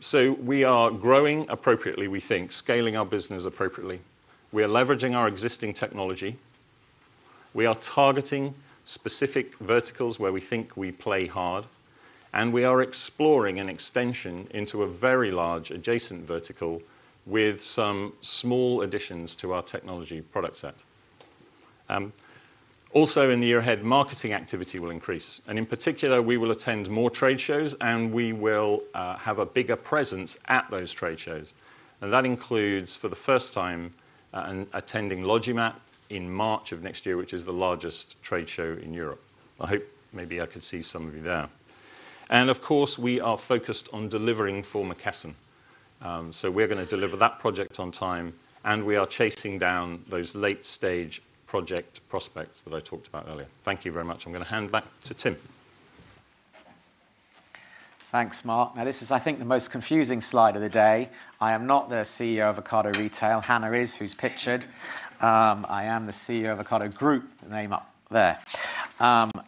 So we are growing appropriately, we think, scaling our business appropriately. We are leveraging our existing technology. We are targeting specific verticals where we think we play hard, and we are exploring an extension into a very large adjacent vertical with some small additions to our technology product set. Also, in the year ahead, marketing activity will increase, and in particular, we will attend more trade shows, and we will have a bigger presence at those trade shows. And that includes, for the first time, attending LogiMAT in March of next year, which is the largest trade show in Europe. I hope maybe I could see some of you there. And of course, we are focused on delivering for McKesson. So we're going to deliver that project on time, and we are chasing down those late-stage project prospects that I talked about earlier. Thank you very much. I'm going to hand back to Tim. Thanks, Mark. Now, this is, I think, the most confusing slide of the day. I am not the CEO of Ocado Retail. Hannah is, who's pictured. I am the CEO of Ocado Group, the name up there.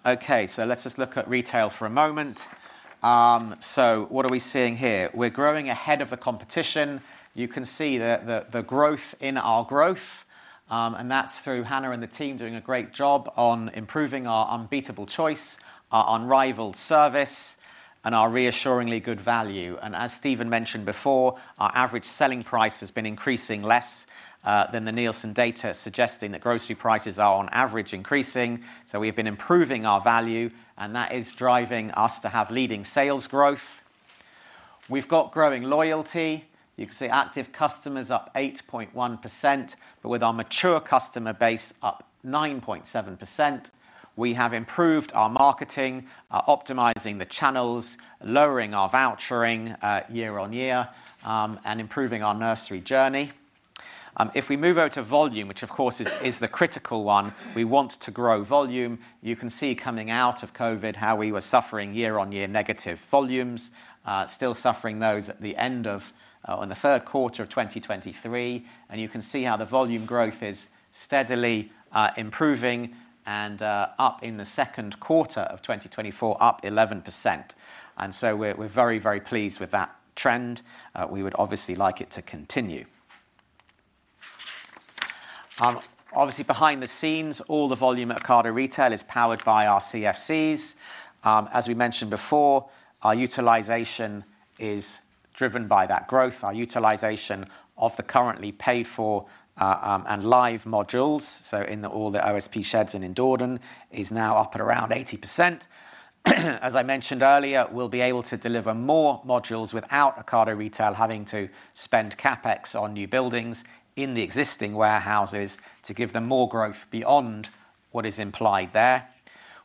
Okay, so let's just look at retail for a moment. So what are we seeing here? We're growing ahead of the competition. You can see the growth in our growth, and that's through Hannah and the team doing a great job on improving our unbeatable choice, our unrivaled service, and our reassuringly good value. And as Stephen mentioned before, our average selling price has been increasing less than the Nielsen data, suggesting that grocery prices are, on average, increasing. So we've been improving our value, and that is driving us to have leading sales growth. We've got growing loyalty. You can see active customers up 8.1%, but with our mature customer base up 9.7%. We have improved our marketing, optimizing the channels, lowering our vouchering year-on-year, and improving our nursery journey. If we move over to volume, which of course is the critical one, we want to grow volume. You can see coming out of COVID, how we were suffering year-on-year negative volumes, still suffering those at the end of on the third quarter of 2023. You can see how the volume growth is steadily improving and up in the second quarter of 2024, up 11%. So we're very, very pleased with that trend. We would obviously like it to continue. Obviously, behind the scenes, all the volume at Ocado Retail is powered by our CFCs. As we mentioned before, our utilization is driven by that growth, our utilization of the currently paid for, and live modules. So in all the OSP sheds and in Dordon, is now up at around 80%. As I mentioned earlier, we'll be able to deliver more modules without Ocado Retail having to spend CapEx on new buildings in the existing warehouses to give them more growth beyond what is implied there.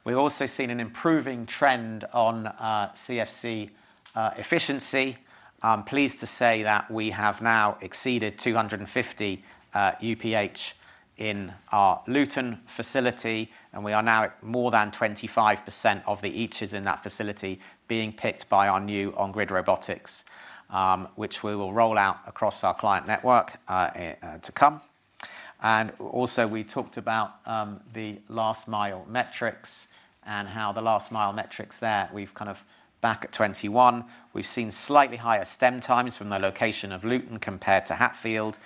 We've also seen an improving trend on, CFC, efficiency. I'm pleased to say that we have now exceeded 250 UPH in our Luton facility, and we are now at more than 25% of the each is in that facility being picked by our new on-grid robotics, which we will roll out across our client network to come. And also, we talked about the last-mile metrics and how the last-mile metrics there, we've kind of back at 21. We've seen slightly higher stem times from the location of Luton compared to Hatfield.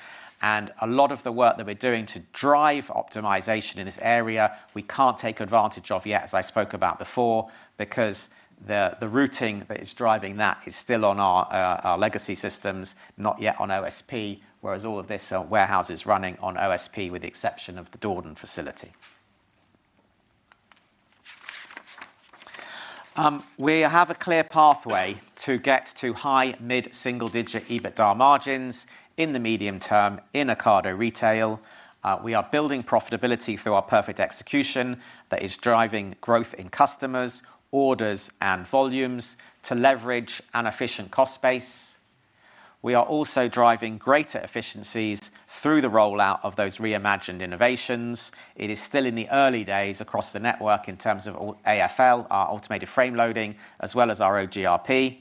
A lot of the work that we're doing to drive optimization in this area, we can't take advantage of yet, as I spoke about before, because the routing that is driving that is still on our legacy systems, not yet on OSP, whereas all of this are warehouses running on OSP, with the exception of the Dordon facility. We have a clear pathway to get to high mid-single-digit EBITDA margins in the medium term in Ocado Retail. We are building profitability through our perfect execution that is driving growth in customers, orders, and volumes to leverage an efficient cost base. We are also driving greater efficiencies through the rollout of those Re:Imagined innovations. It is still in the early days across the network in terms of all AFL, our automated frame loading, as well as our OGRP.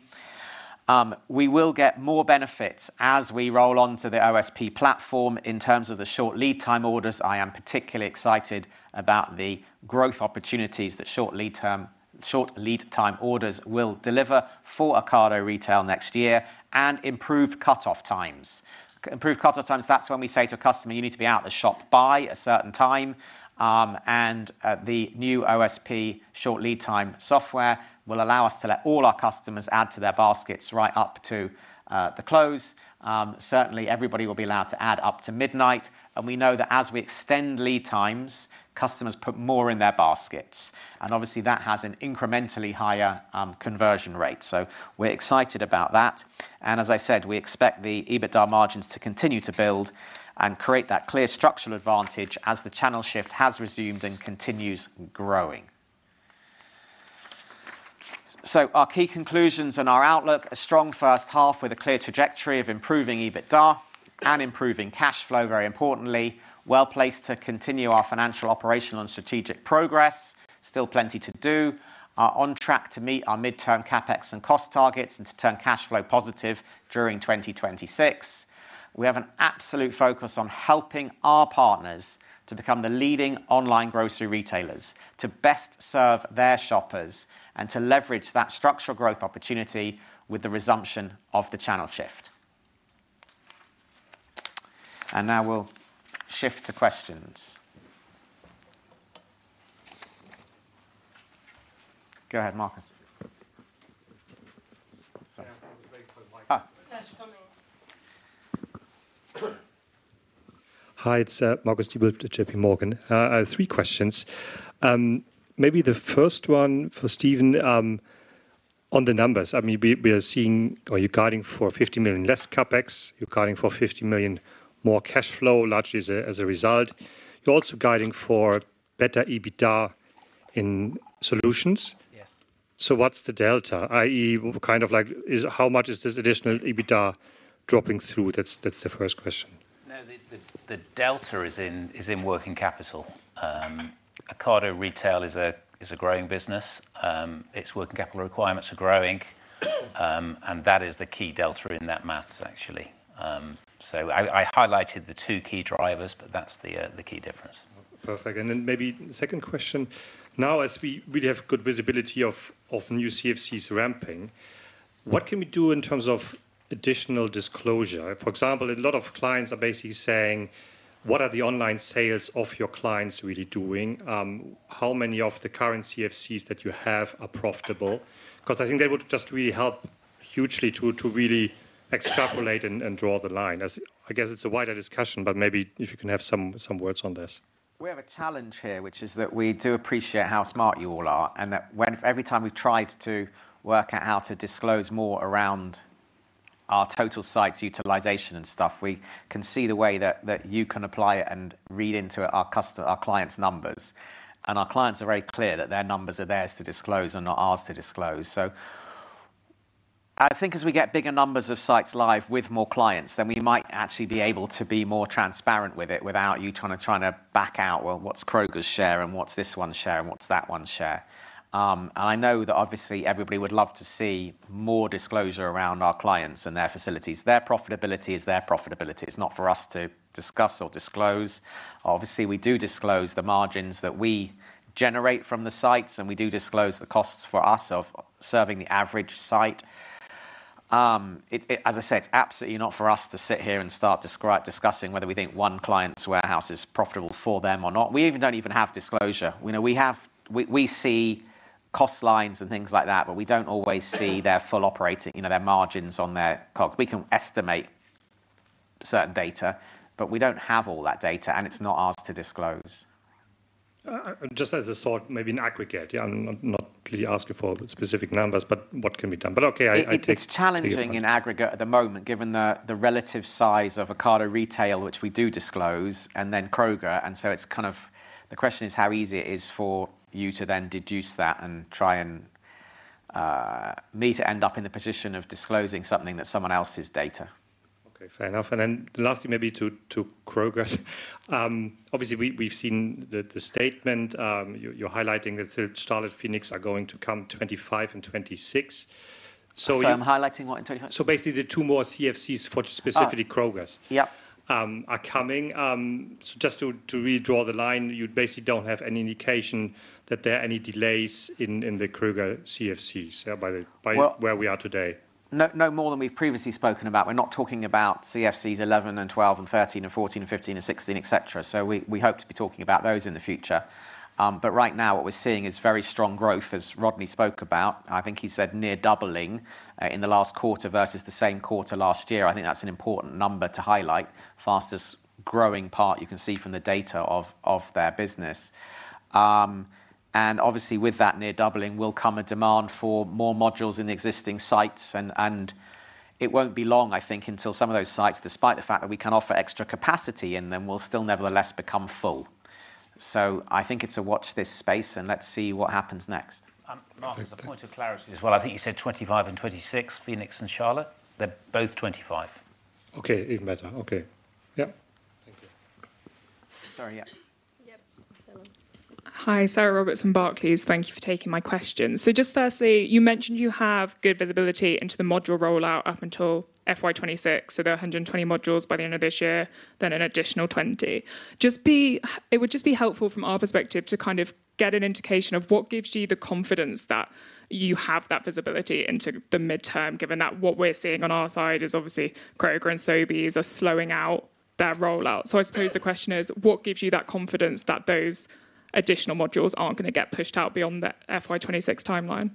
We will get more benefits as we roll on to the OSP platform. In terms of the short lead time orders, I am particularly excited about the growth opportunities that short lead term, short lead time orders will deliver for Ocado Retail next year, and improved cutoff times. Improved cutoff times, that's when we say to a customer, "You need to be out the shop by a certain time." The new OSP short lead time software will allow us to let all our customers add to their baskets right up to the close. Certainly, everybody will be allowed to add up to midnight, and we know that as we extend lead times, customers put more in their baskets, and obviously, that has an incrementally higher conversion rate. So we're excited about that. As I said, we expect the EBITDA margins to continue to build and create that clear structural advantage as the channel shift has resumed and continues growing. Our key conclusions and our outlook, a strong first half with a clear trajectory of improving EBITDA and improving cash flow, very importantly. Well-placed to continue our financial, operational, and strategic progress. Still plenty to do. Are on track to meet our midterm CapEx and cost targets and to turn cash flow positive during 2026. We have an absolute focus on helping our partners to become the leading online grocery retailers, to best serve their shoppers, and to leverage that structural growth opportunity with the resumption of the channel shift. And now we'll shift to questions. Go ahead, Marcus. That's coming. Hi, it's Marcus Diebel with JPMorgan. I have three questions. Maybe the first one for Stephen on the numbers. I mean, we are seeing or you're guiding for 50 million less CapEx. You're guiding for 50 million more cash flow, largely as a result. You're also guiding for better EBITDA in solutions. Yes. What's the delta, i.e., kind of like is, how much is this additional EBITDA dropping through? That's, that's the first question. No, the delta is in working capital. Ocado Retail is a growing business. Its working capital requirements are growing, and that is the key delta in that maths, actually. So I highlighted the two key drivers, but that's the key difference. Perfect. And then maybe the second question: Now, as we really have good visibility of new CFCs ramping, what can we do in terms of additional disclosure? For example, a lot of clients are basically saying, "What are the online sales of your clients really doing? How many of the current CFCs that you have are profitable?" Because I think that would just really help hugely to really extrapolate and draw the line. As I guess it's a wider discussion, but maybe if you can have some words on this. We have a challenge here, which is that we do appreciate how smart you all are, and that when every time we've tried to work out how to disclose more around our total sites utilization and stuff, we can see the way that you can apply it and read into it our clients' numbers. Our clients are very clear that their numbers are theirs to disclose and not ours to disclose. So I think as we get bigger numbers of sites live with more clients, then we might actually be able to be more transparent with it without you trying to back out, Well, what's Kroger's share, and what's this one's share, and what's that one's share? And I know that obviously, everybody would love to see more disclosure around our clients and their facilities. Their profitability is their profitability. It's not for us to discuss or disclose. Obviously, we do disclose the margins that we generate from the sites, and we do disclose the costs for us of serving the average site. As I said, it's absolutely not for us to sit here and discussing whether we think one client's warehouse is profitable for them or not. We don't even have disclosure. You know, we see cost lines and things like that, but we don't always see their full operating, you know, their margins on their cost. We can estimate certain data, but we don't have all that data, and it's not ours to disclose. Just as a thought, maybe in aggregate. Yeah, I'm not really asking for specific numbers,. but what can be done? But okay, I take It's challenging in aggregate at the moment, given the relative size of Ocado Retail, which we do disclose, and then Kroger, and so it's kind of, the question is how easy it is for you to then deduce that and try and me to end up in the position of disclosing something that's someone else's data. Okay, fair enough. And then the last thing maybe to Kroger. Obviously, we've seen the statement, you're highlighting that the Charlotte and Phoenix are going to come 2025 and 2026. Sorry, I'm highlighting what in 20? Basically, the two more CFCs for specifically Kroger's. Oh, yep Are coming. So just to redraw the line, you basically don't have any indication that there are any delays in the Kroger CFCs by the by where we are today? No, no more than we've previously spoken about. We're not talking about CFCs 11 and 12 and 13 and 14 and 15 and 16, et cetera. So we, we hope to be talking about those in the future. But right now, what we're seeing is very strong growth, as Rodney spoke about. I think he said near doubling in the last quarter versus the same quarter last year. I think that's an important number to highlight. Fastest growing part you can see from the data of, of their business. And obviously, with that near doubling will come a demand for more modules in the existing sites, and, and it won't be long, I think, until some of those sites, despite the fact that we can offer extra capacity in them, will still nevertheless become full. I think it's a watch this space, and let's see what happens next. Marcus, a point of clarity as well. I think you said 2025 and 2026, Phoenix and Charlotte. They're both 2025. Okay, even better. Okay. Yep. Sorry, yeah. Yep, Sarah. Hi, Sarah Roberts from Barclays. Thank you for taking my questions. So just firstly, you mentioned you have good visibility into the module rollout up until FY 2026, so there are 120 modules by the end of this year, then an additional 20. It would just be helpful from our perspective to kind of get an indication of what gives you the confidence that you have that visibility into the midterm, given that what we're seeing on our side is obviously Kroger and Sobeys are slowing out their rollout. So I suppose the question is, what gives you that confidence that those additional modules aren't going to get pushed out beyond the FY 2026 timeline?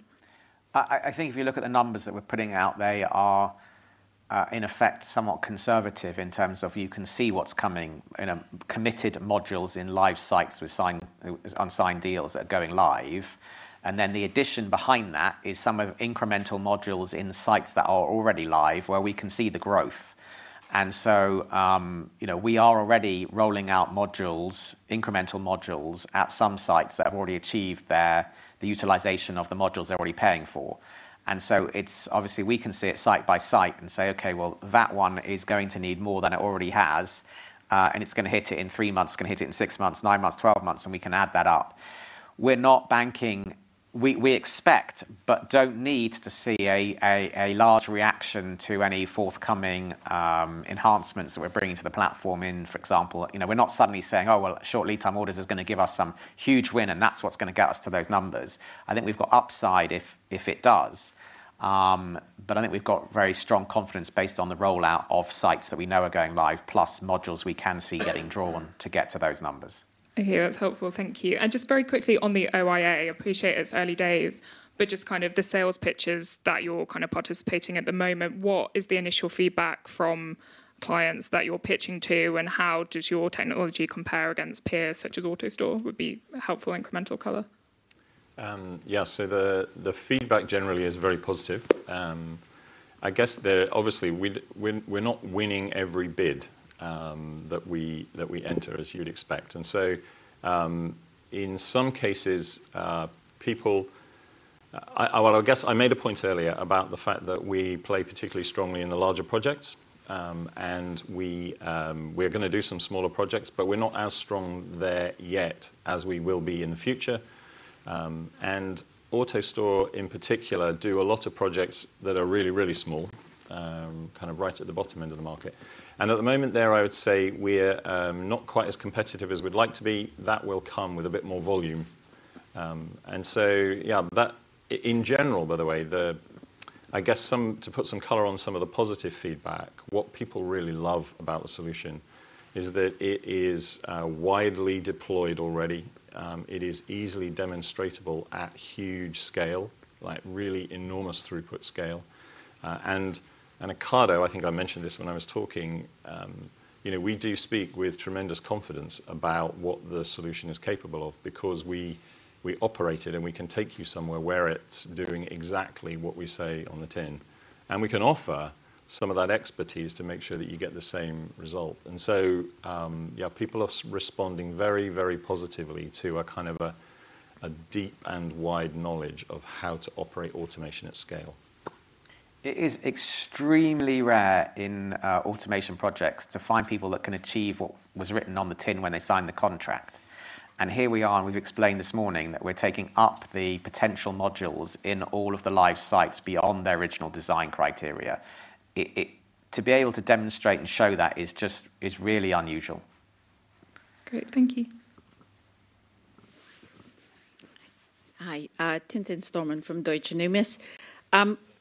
I think if you look at the numbers that we're putting out, they are in effect somewhat conservative in terms of you can see what's coming in, committed modules in live sites with signed, unsigned deals that are going live. And then the addition behind that is some of incremental modules in sites that are already live, where we can see the growth. And so, you know, we are already rolling out modules, incremental modules, at some sites that have already achieved their utilization of the modules they're already paying for. It's obviously, we can see it site by site and say, "Okay, well, that one is going to need more than it already has, and it's going to hit it in three months, it's going to hit it in six months, nine months, 12 months," and we can add that up. We're not banking. We expect, but don't need to see a large reaction to any forthcoming enhancements that we're bringing to the platform in, for example, you know, we're not suddenly saying: Oh, well, short lead time orders is going to give us some huge win, and that's what's going to get us to those numbers. I think we've got upside if it does. But I think we've got very strong confidence based on the rollout of sites that we know are going live, plus modules we can see getting drawn to get to those numbers. I hear. That's helpful. Thank you. And just very quickly on the OIA, appreciate it's early days, but just kind of the sales pitches that you're kind of participating at the moment, what is the initial feedback from clients that you're pitching to, and how does your technology compare against peers such as AutoStore? Would be helpful incremental color. Yeah, so the feedback generally is very positive. I guess there, obviously, we're not winning every bid that we enter, as you'd expect. And so, in some cases, people, I well, I guess I made a point earlier about the fact that we play particularly strongly in the larger projects, and we're going to do some smaller projects, but we're not as strong there yet as we will be in the future. And AutoStore, in particular, do a lot of projects that are really, really small, kind of right at the bottom end of the market. And at the moment there, I would say we're not quite as competitive as we'd like to be. That will come with a bit more volume. And so, yeah, that in general, by the way, I guess some to put some color on some of the positive feedback, what people really love about the solution is that it is widely deployed already. It is easily demonstrable at huge scale, like really enormous throughput scale. And Ocado, I think I mentioned this when I was talking, you know, we do speak with tremendous confidence about what the solution is capable of because we, we operate it, and we can take you somewhere where it's doing exactly what we say on the tin. And we can offer some of that expertise to make sure that you get the same result. And so, yeah, people are responding very, very positively to a kind of a deep and wide knowledge of how to operate automation at scale. It is extremely rare in automation projects to find people that can achieve what was written on the tin when they signed the contract. And here we are, and we've explained this morning that we're taking up the potential modules in all of the live sites beyond their original design criteria. It to be able to demonstrate and show that is just is really unusual. Great. Thank you. Hi, Tintin Stormont from Deutsche Numis.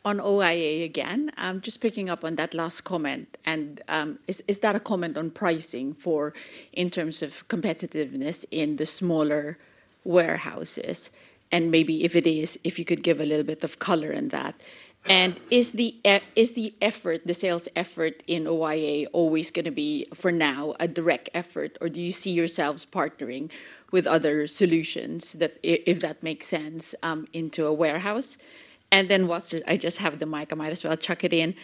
On OIA again, I'm just picking up on that last comment, and is that a comment on pricing for, in terms of competitiveness in the smaller warehouses? And maybe if it is, if you could give a little bit of color in that. And is the effort, the sales effort in OIA always going to be, for now, a direct effort, or do you see yourselves partnering with other solutions that, if that makes sense, into a warehouse? And then while I just have the mic, I might as well chuck it in.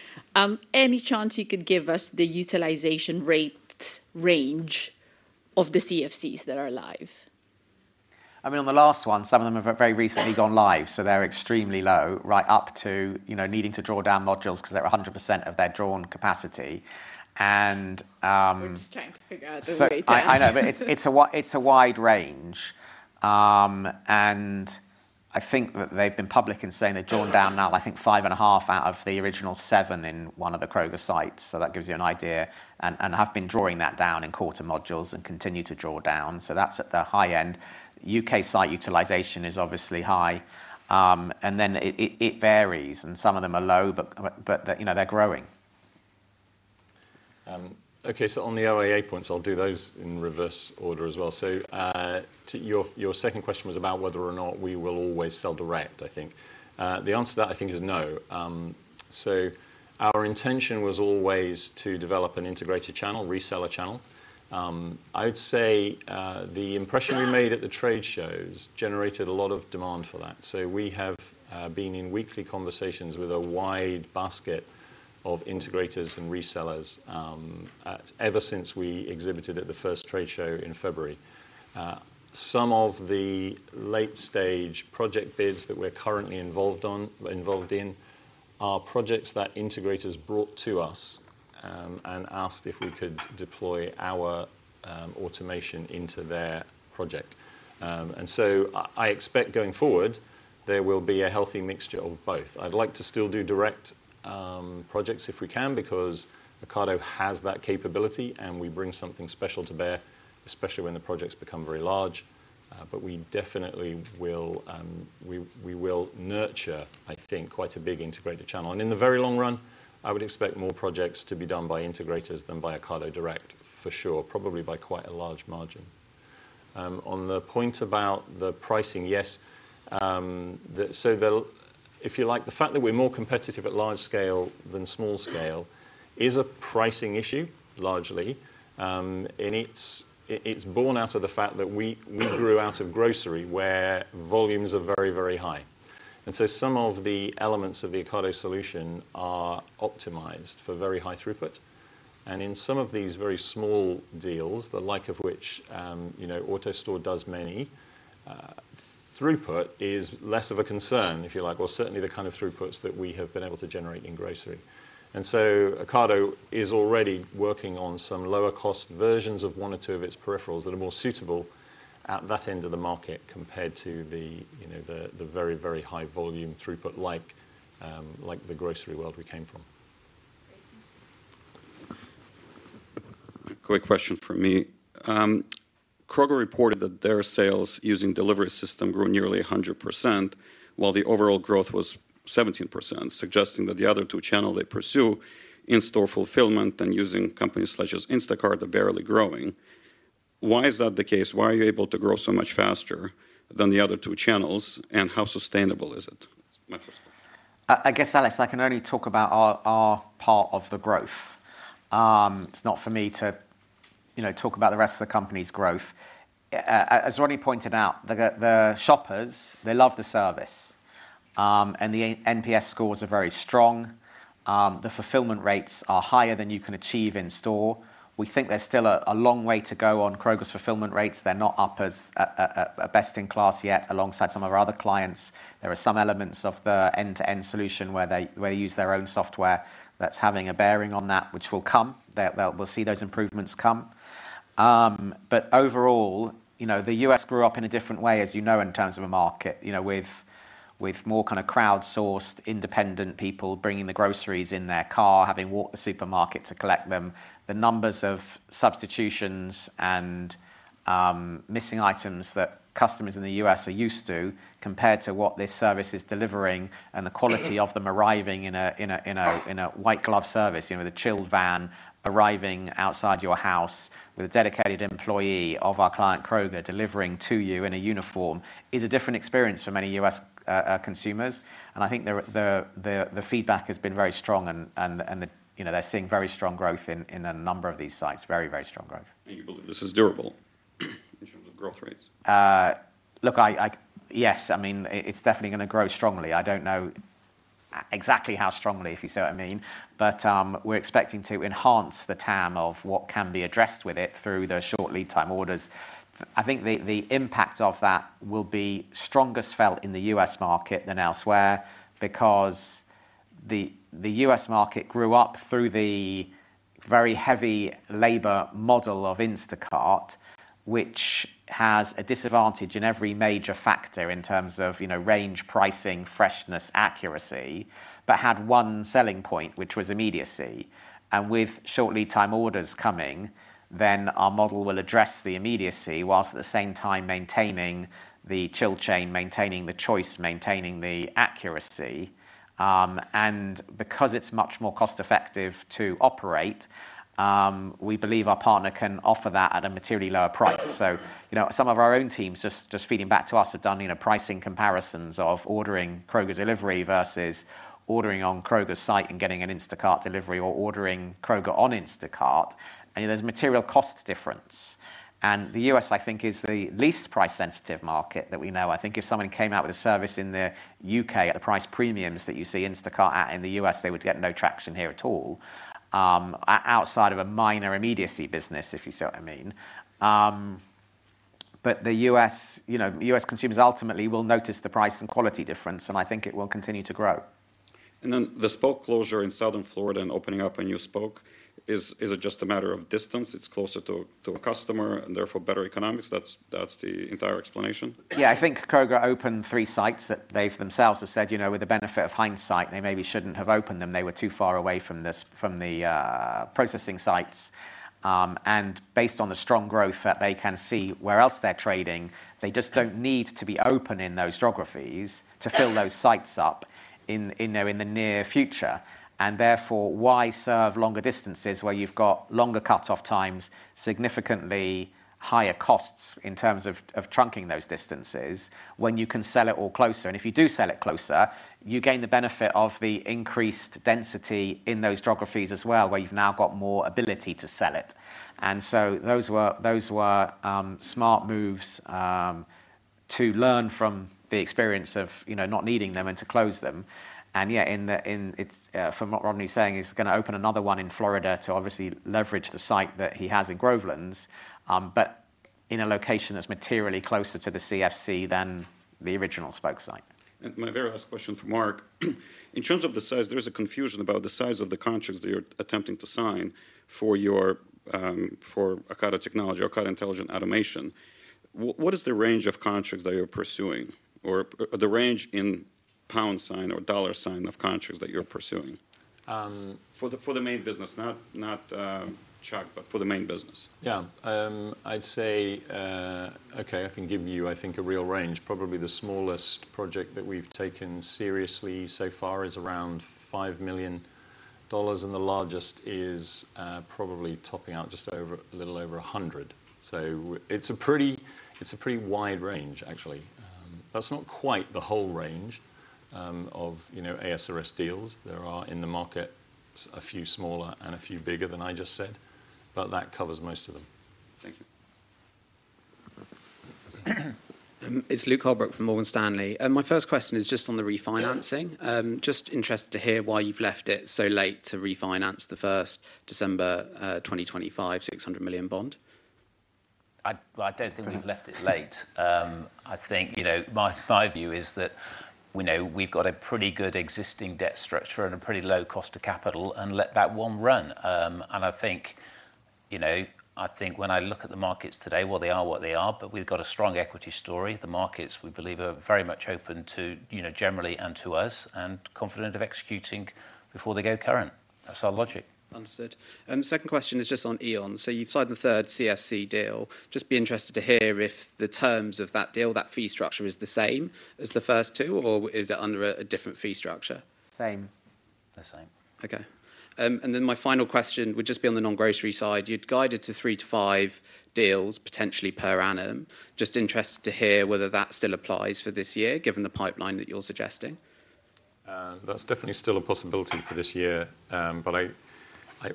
Any chance you could give us the utilization rate range of the CFCs that are live? I mean, on the last one, some of them have very recently gone live, so they're extremely low, right up to, you know, needing to draw down modules because they're at 100% of their drawn capacity. And We're just trying to figure out the way down. So I know, but it's a wide range. And I think that they've been public in saying they've drawn down now, I think, 5.5 out of the original seven in one of the Kroger sites, so that gives you an idea, and have been drawing that down in quarter modules and continue to draw down. So that's at the high end. U.K. site utilization is obviously high, and then it varies, and some of them are low, but, you know, they're growing. Okay, so on the OIA points, I'll do those in reverse order as well. So, to your second question was about whether or not we will always sell direct, I think. The answer to that, I think, is no. So our intention was always to develop an integrated channel, reseller channel. I'd say, the impression we made at the trade shows generated a lot of demand for that. So we have been in weekly conversations with a wide basket of integrators and resellers, ever since we exhibited at the first trade show in February. Some of the late-stage project bids that we're currently involved in are projects that integrators brought to us, and asked if we could deploy our automation into their project. So I, I expect going forward, there will be a healthy mixture of both. I'd like to still do direct projects if we can, because Ocado has that capability, and we bring something special to bear, especially when the projects become very large. But we definitely will, we, we will nurture, I think, quite a big integrated channel. In the very long run, I would expect more projects to be done by integrators than by Ocado direct, for sure, probably by quite a large margin. On the point about the pricing, yes, so the, if you like, the fact that we're more competitive at large scale than small scale is a pricing issue, largely. It's, it, it's born out of the fact that we, we grew out of grocery, where volumes are very, very high. So some of the elements of the Ocado solution are optimized for very high throughput. In some of these very small deals, the like of which, you know, AutoStore does many, throughput is less of a concern, if you like. Well, certainly the kind of throughputs that we have been able to generate in grocery. So Ocado is already working on some lower-cost versions of one or two of its peripherals that are more suitable at that end of the market, compared to the, you know, the very, very high volume throughput, like, like the grocery world we came from. A quick question from me. Kroger reported that their sales using delivery system grew nearly 100%, while the overall growth was 17%, suggesting that the other two channel they pursue, in-store fulfillment and using companies such as Instacart, are barely growing. Why is that the case? Why are you able to grow so much faster than the other two channels, and how sustainable is it? That's my first question. I guess, Alex, I can only talk about our part of the growth. It's not for me to, you know, talk about the rest of the company's growth. As Rodney pointed out, the shoppers, they love the service. And the NPS scores are very strong. The fulfillment rates are higher than you can achieve in store. We think there's still a long way to go on Kroger's fulfillment rates. They're not up as a best-in-class yet, alongside some of our other clients. There are some elements of the end-to-end solution where they use their own software that's having a bearing on that, which will come. We'll see those improvements come. But overall, you know, the U.S. grew up in a different way, as you know, in terms of a market, you know, with more kind of crowdsourced, independent people bringing the groceries in their car, having walked the supermarket to collect them. The numbers of substitutions and missing items that customers in the U.S. are used to, compared to what this service is delivering and the quality of them arriving in a white glove service, you know, the chilled van arriving outside your house with a dedicated employee of our client, Kroger, delivering to you in a uniform, is a different experience for many U.S. consumers. And I think the feedback has been very strong, and you know, they're seeing very strong growth in a number of these sites. Very, very strong growth. You believe this is durable in terms of growth rates? Look, yes, I mean, it's definitely gonna grow strongly. I don't know exactly how strongly, if you see what I mean. But we're expecting to enhance the TAM of what can be addressed with it through the short lead time orders. I think the impact of that will be strongest felt in the U.S. market than elsewhere because the U.S. market grew up through the very heavy labor model of Instacart, which has a disadvantage in every major factor in terms of, you know, range, pricing, freshness, accuracy, but had one selling point, which was immediacy. And with short lead time orders coming, then our model will address the immediacy, while at the same time maintaining the chill chain, maintaining the choice, maintaining the accuracy. And because it's much more cost-effective to operate, we believe our partner can offer that at a materially lower price. So, you know, some of our own teams, just feeding back to us, have done, you know, pricing comparisons of ordering Kroger delivery versus ordering on Kroger's site and getting an Instacart delivery or ordering Kroger on Instacart. And there's material cost difference. And the U.S., I think, is the least price-sensitive market that we know. I think if someone came out with a service in the U.K. at the price premiums that you see Instacart at in the U.S., they would get no traction here at all, outside of a minor immediacy business, if you see what I mean. But the U.S., you know, U.S. consumers ultimately will notice the price and quality difference, and I think it will continue to grow. And then, the spoke closure in Southern Florida and opening up a new spoke, is, is it just a matter of distance? It's closer to, to a customer and therefore better economics. That's, that's the entire explanation? Yeah, I think Kroger opened three sites that they for themselves have said, you know, with the benefit of hindsight, they maybe shouldn't have opened them. They were too far away from this, from the processing sites. And based on the strong growth that they can see where else they're trading, they just don't need to be open in those geographies to fill those sites up in you know, the near future. And therefore, why serve longer distances, where you've got longer cut-off times, significantly higher costs in terms of trunking those distances, when you can sell it all closer? And if you do sell it closer, you gain the benefit of the increased density in those geographies as well, where you've now got more ability to sell it. And so those were smart moves. to learn from the experience of, you know, not needing them and to close them. And yeah, it's from what Rodney's saying, he's gonna open another one in Florida to obviously leverage the site that he has in Groveland, but in a location that's materially closer to the CFC than the original spoke site. My very last question for Mark. In terms of the size, there is a confusion about the size of the contracts that you're attempting to sign for your for Ocado Technology or Ocado Intelligent Automation. What is the range of contracts that you're pursuing, or the range in pound sign or dollar sign of contracts that you're pursuing? For the main business, not Chuck, but for the main business. Yeah. I'd say, okay, I can give you, I think, a real range. Probably the smallest project that we've taken seriously so far is around $5 million, and the largest is, probably topping out just over, a little over $100 million. So it's a pretty, it's a pretty wide range, actually. That's not quite the whole range, of, you know, ASRS deals. There are, in the market, a few smaller and a few bigger than I just said, but that covers most of them. Thank you. It's Luke Holbrook from Morgan Stanley. My first question is just on the refinancing. Just interested to hear why you've left it so late to refinance the 1st December 2025 600 million bond. Well, I don't think we've left it late. I think, you know, my, my view is that, we know we've got a pretty good existing debt structure and a pretty low cost of capital, and let that one run. And I think, you know, I think when I look at the markets today, well, they are what they are, but we've got a strong equity story. The markets, we believe, are very much open to, you know, generally and to us, and confident of executing before they go current. That's our logic. Understood. Second question is just on AEON. So you've signed the third CFC deal. Just be interested to hear if the terms of that deal, that fee structure, is the same as the first two, or is it under a different fee structure? Same. The same. Okay. And then my final question would just be on the non-grocery side. You'd guided to three to five deals, potentially per annum. Just interested to hear whether that still applies for this year, given the pipeline that you're suggesting. That's definitely still a possibility for this year. But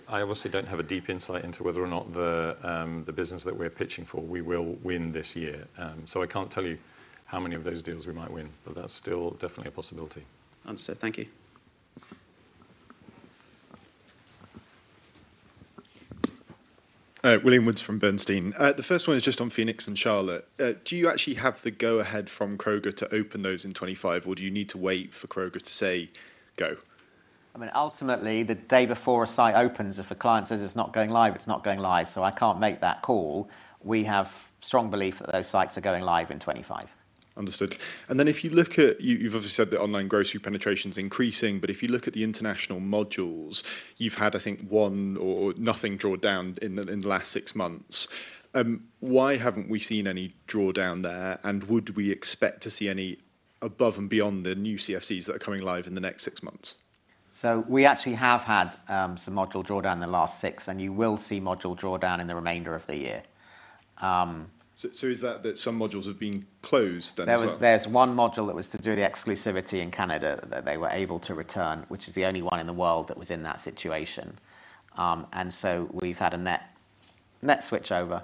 I obviously don't have a deep insight into whether or not the business that we're pitching for we will win this year. So I can't tell you how many of those deals we might win, but that's still definitely a possibility. Understood. Thank you. William Woods from Bernstein. The first one is just on Phoenix and Charlotte. Do you actually have the go-ahead from Kroger to open those in 2025, or do you need to wait for Kroger to say, "Go? I mean, ultimately, the day before a site opens, if a client says it's not going live, it's not going live, so I can't make that call. We have strong belief that those sites are going live in 2025. Understood. And then if you look at, you've obviously said the online grocery penetration is increasing, but if you look at the international modules, you've had, I think, one or nothing drawn down in the last six months. Why haven't we seen any drawdown there, and would we expect to see any above and beyond the new CFCs that are coming live in the next six months? So we actually have had some module drawdown in the last six, and you will see module drawdown in the remainder of the year. So, is that some modules have been closed down as well? There's one module that was to do with the exclusivity in Canada, that they were able to return, which is the only one in the world that was in that situation. And so we've had a net, net switchover.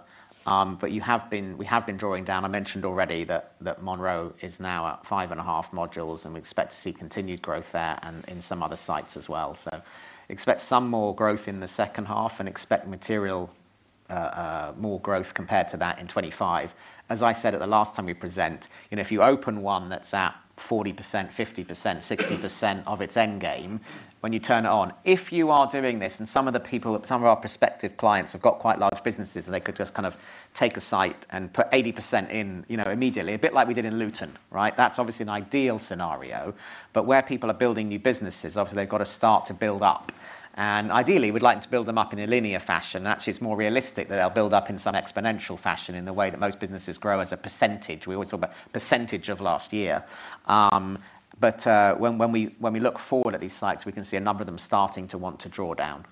But we have been drawing down. I mentioned already that Monroe is now at 5.5 modules, and we expect to see continued growth there and in some other sites as well. So expect some more growth in the second half, and expect material more growth compared to that in 2025. As I said, at the last time we present, you know, if you open one that's at 40%, 50%, 60% of its end game, when you turn it on, if you are doing this, and some of the people—some of our prospective clients have got quite large businesses, so they could just kind of take a site and put 80% in, you know, immediately, a bit like we did in Luton, right? That's obviously an ideal scenario, but where people are building new businesses, obviously, they've got to start to build up. And ideally, we'd like to build them up in a linear fashion. Actually, it's more realistic that they'll build up in some exponential fashion in the way that most businesses grow as a percentage. We always talk about percentage of last year. But when we look forward at these sites, we can see a number of them starting to want to draw down.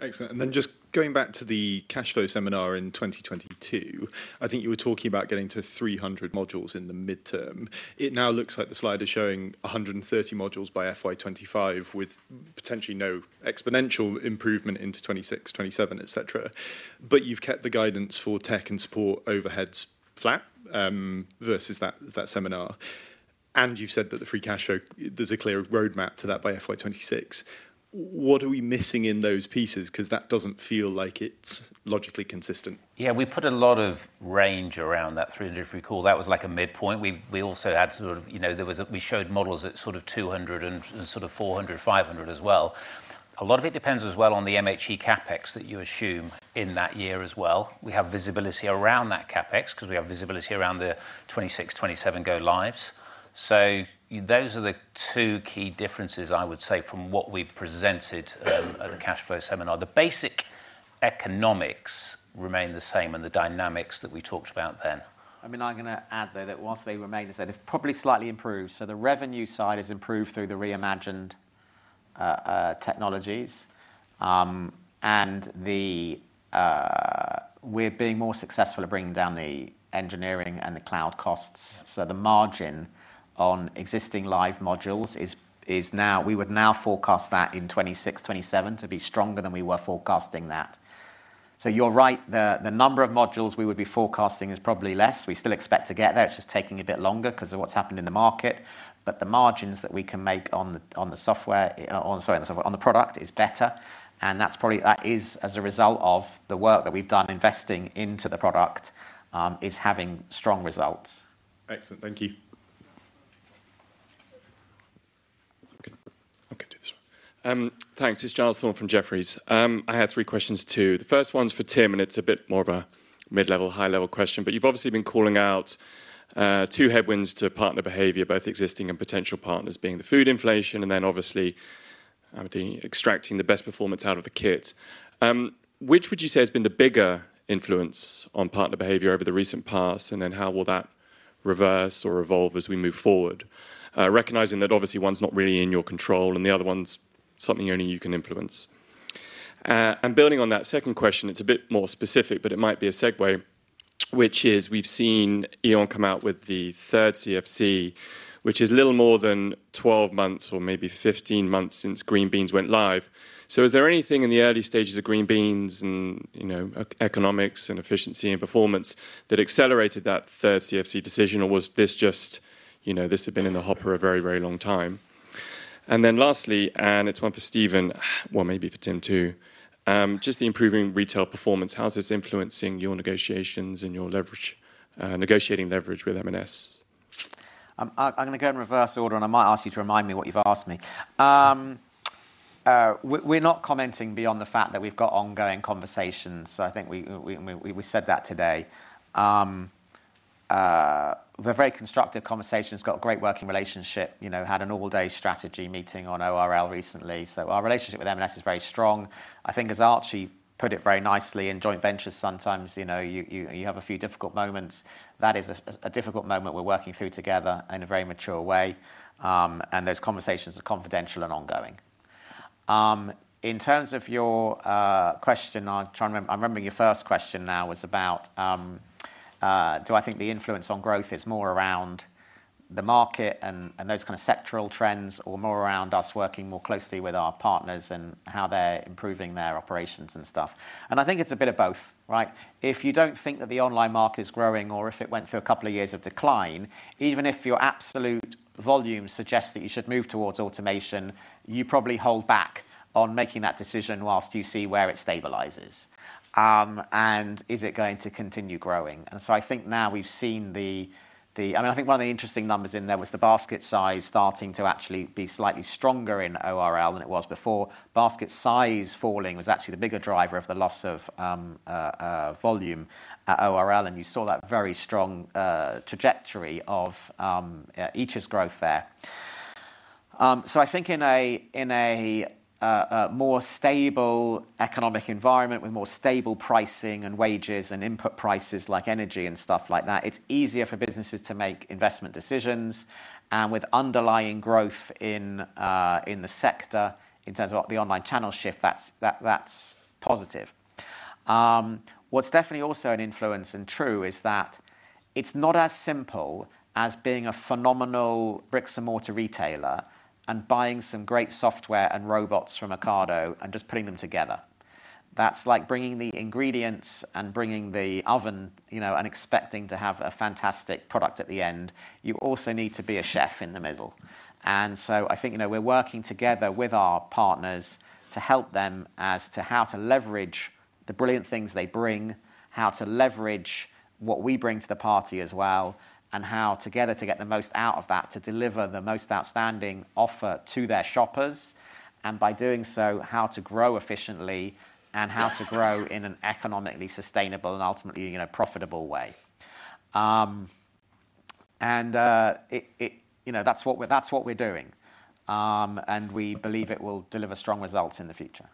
Excellent. And then just going back to the cash flow seminar in 2022, I think you were talking about getting to 300 modules in the midterm. It now looks like the slide is showing 130 modules by FY 2025, with potentially no exponential improvement into 2026, 2027, etc. But you've kept the guidance for tech and support overheads flat versus that seminar, and you've said that the free cash flow, there's a clear roadmap to that by FY 2026. What are we missing in those pieces? Because that doesn't feel like it's logically consistent. Yeah, we put a lot of range around that 300. If we recall, that was like a midpoint. We also had sort of, you know, there was a—we showed models at sort of 200 and sort of 400, 500 as well. A lot of it depends as well on the MHE CapEx that you assume in that year as well. We have visibility around that CapEx because we have visibility around the 2026, 2027 go lives. So those are the two key differences, I would say, from what we presented at the cash flow seminar. The basic economics remain the same and the dynamics that we talked about then. I mean, I'm gonna add, though, that whilst they remain the same, they've probably slightly improved. So the revenue side has improved through the Re:Imagined technologies, and the... We're being more successful at bringing down the engineering and the cloud costs. So the margin on existing live modules is now. We would now forecast that in 2026, 2027 to be stronger than we were forecasting that... So you're right, the number of modules we would be forecasting is probably less. We still expect to get there, it's just taking a bit longer 'cause of what's happened in the market. But the margins that we can make on the software, on the product, is better, and that is as a result of the work that we've done investing into the product is having strong results. Excellent. Thank you. I can, I can do this one. Thanks. It's Giles Thorne from Jefferies. I have three questions, too. The first one's for Tim, and it's a bit more of a mid-level, high-level question. But you've obviously been calling out, two headwinds to partner behavior, both existing and potential partners, being the food inflation and then obviously, the extracting the best performance out of the kit. Which would you say has been the bigger influence on partner behavior over the recent past, and then how will that reverse or evolve as we move forward? Recognizing that obviously one's not really in your control, and the other one's something only you can influence. And building on that second question, it's a bit more specific, but it might be a segue, which is we've seen AEON come out with the third CFC, which is little more than 12 months or maybe 15 months since Green Beans went live. So is there anything in the early stages of Green Beans and, you know, economics and efficiency and performance that accelerated that third CFC decision, or was this just, you know, this had been in the hopper a very, very long time? And then lastly, and it's one for Stephen, well, maybe for Tim, too, just the improving retail performance. How is this influencing your negotiations and your leverage, negotiating leverage with M&S? I, I'm gonna go in reverse order, and I might ask you to remind me what you've asked me. We're not commenting beyond the fact that we've got ongoing conversations, so I think we said that today. We've a very constructive conversation. It's got a great working relationship, you know, had an all-day strategy meeting on ORL recently. So our relationship with M&S is very strong. I think, as Archie put it very nicely, in joint ventures, sometimes, you know, you have a few difficult moments. That is a difficult moment we're working through together in a very mature way, and those conversations are confidential and ongoing. In terms of your question, I'm trying to remember—I'm remembering your first question now was about, do I think the influence on growth is more around the market and, and those kind of sectoral trends, or more around us working more closely with our partners and how they're improving their operations and stuff. And I think it's a bit of both, right? If you don't think that the online market is growing or if it went through a couple of years of decline, even if your absolute volume suggests that you should move towards automation, you probably hold back on making that decision while you see where it stabilizes. And is it going to continue growing? And so I think now we've seen the, I mean, I think one of the interesting numbers in there was the basket size starting to actually be slightly stronger in ORL than it was before. Basket size falling was actually the bigger driver of the loss of volume at ORL, and you saw that very strong trajectory of e-com's growth there. So I think in a more stable economic environment with more stable pricing and wages and input prices like energy and stuff like that, it's easier for businesses to make investment decisions, and with underlying growth in the sector, in terms of the online channel shift, that's positive. What's definitely also an influence and true is that it's not as simple as being a phenomenal brick-and-mortar retailer and buying some great software and robots from Ocado and just putting them together. That's like bringing the ingredients and bringing the oven, you know, and expecting to have a fantastic product at the end. You also need to be a chef in the middle. And so I think, you know, we're working together with our partners to help them as to how to leverage the brilliant things they bring, how to leverage what we bring to the party as well, and how together to get the most out of that, to deliver the most outstanding offer to their shoppers, and by doing so, how to grow efficiently and how to grow in an economically sustainable and ultimately, in a profitable way. And, you know, that's what we're doing. And we believe it will deliver strong results in the future.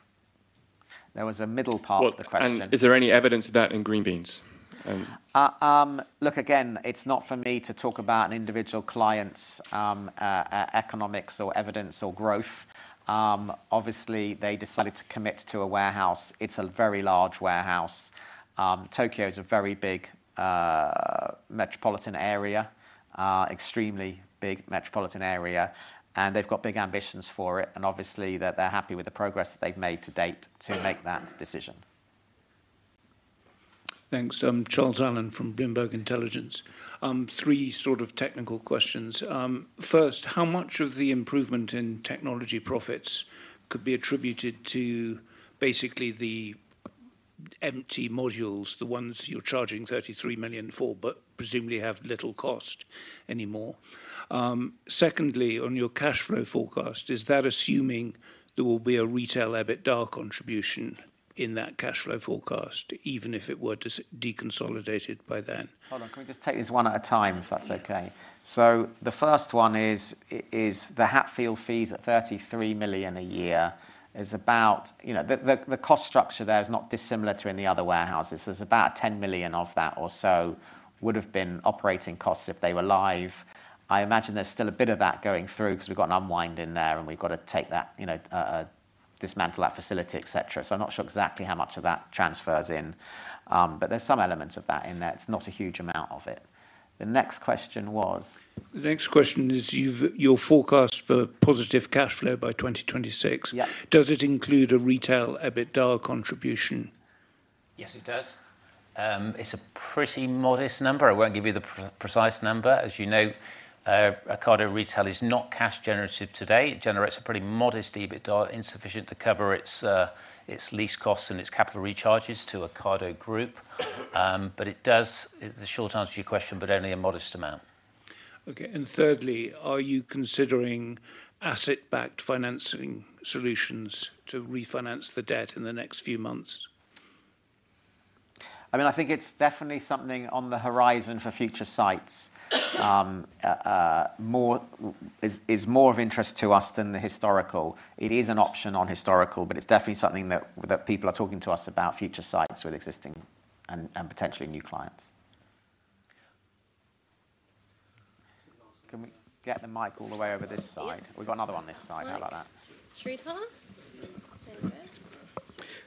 There was a middle part of the question. Well, is there any evidence of that in Green Beans? Look, again, it's not for me to talk about an individual client's economics or evidence or growth. Obviously, they decided to commit to a warehouse. It's a very large warehouse. Tokyo is a very big metropolitan area, extremely big metropolitan area, and they've got big ambitions for it, and obviously, they're happy with the progress that they've made to date to make that decision. Thanks. Charles Allen from Bloomberg Intelligence. Three sort of technical questions. First, how much of the improvement in technology profits could be attributed to basically the empty modules, the ones you're charging 33 million for, but presumably have little cost anymore? Secondly, on your cash flow forecast, is that assuming there will be a retail EBITDA contribution in that cash flow forecast, even if it were to deconsolidated by then? Hold on. Can we just take this one at a time, if that's okay? So the first one is, is the Hatfield fees at 33 million a year is about... You know, the cost structure there is not dissimilar to any other warehouses. There's about 10 million of that or so would've been operating costs if they were live. I imagine there's still a bit of that going through because we've got an unwind in there, and we've got to take that, you know, dismantle that facility, et cetera. So I'm not sure exactly how much of that transfers in. But there's some element of that in there. It's not a huge amount of it. The next question was? The next question is your forecast for positive cash flow by 2026. Yeah. Does it include a retail EBITDA contribution? Yes, it does. It's a pretty modest number. I won't give you the precise number. As you know, Ocado Retail is not cash generative today. It generates a pretty modest EBITDA, insufficient to cover its lease costs and its capital recharges to Ocado Group. But it does, the short answer to your question, but only a modest amount. Okay, and thirdly, are you considering asset-backed financing solutions to refinance the debt in the next few months? I mean, I think it's definitely something on the horizon for future sites. More is of interest to us than the historical. It is an option on historical, but it's definitely something that people are talking to us about future sites with existing and potentially new clients. Can we get the mic all the way over this side? Yeah. We've got another one this side. Right. How about that? Sridhar.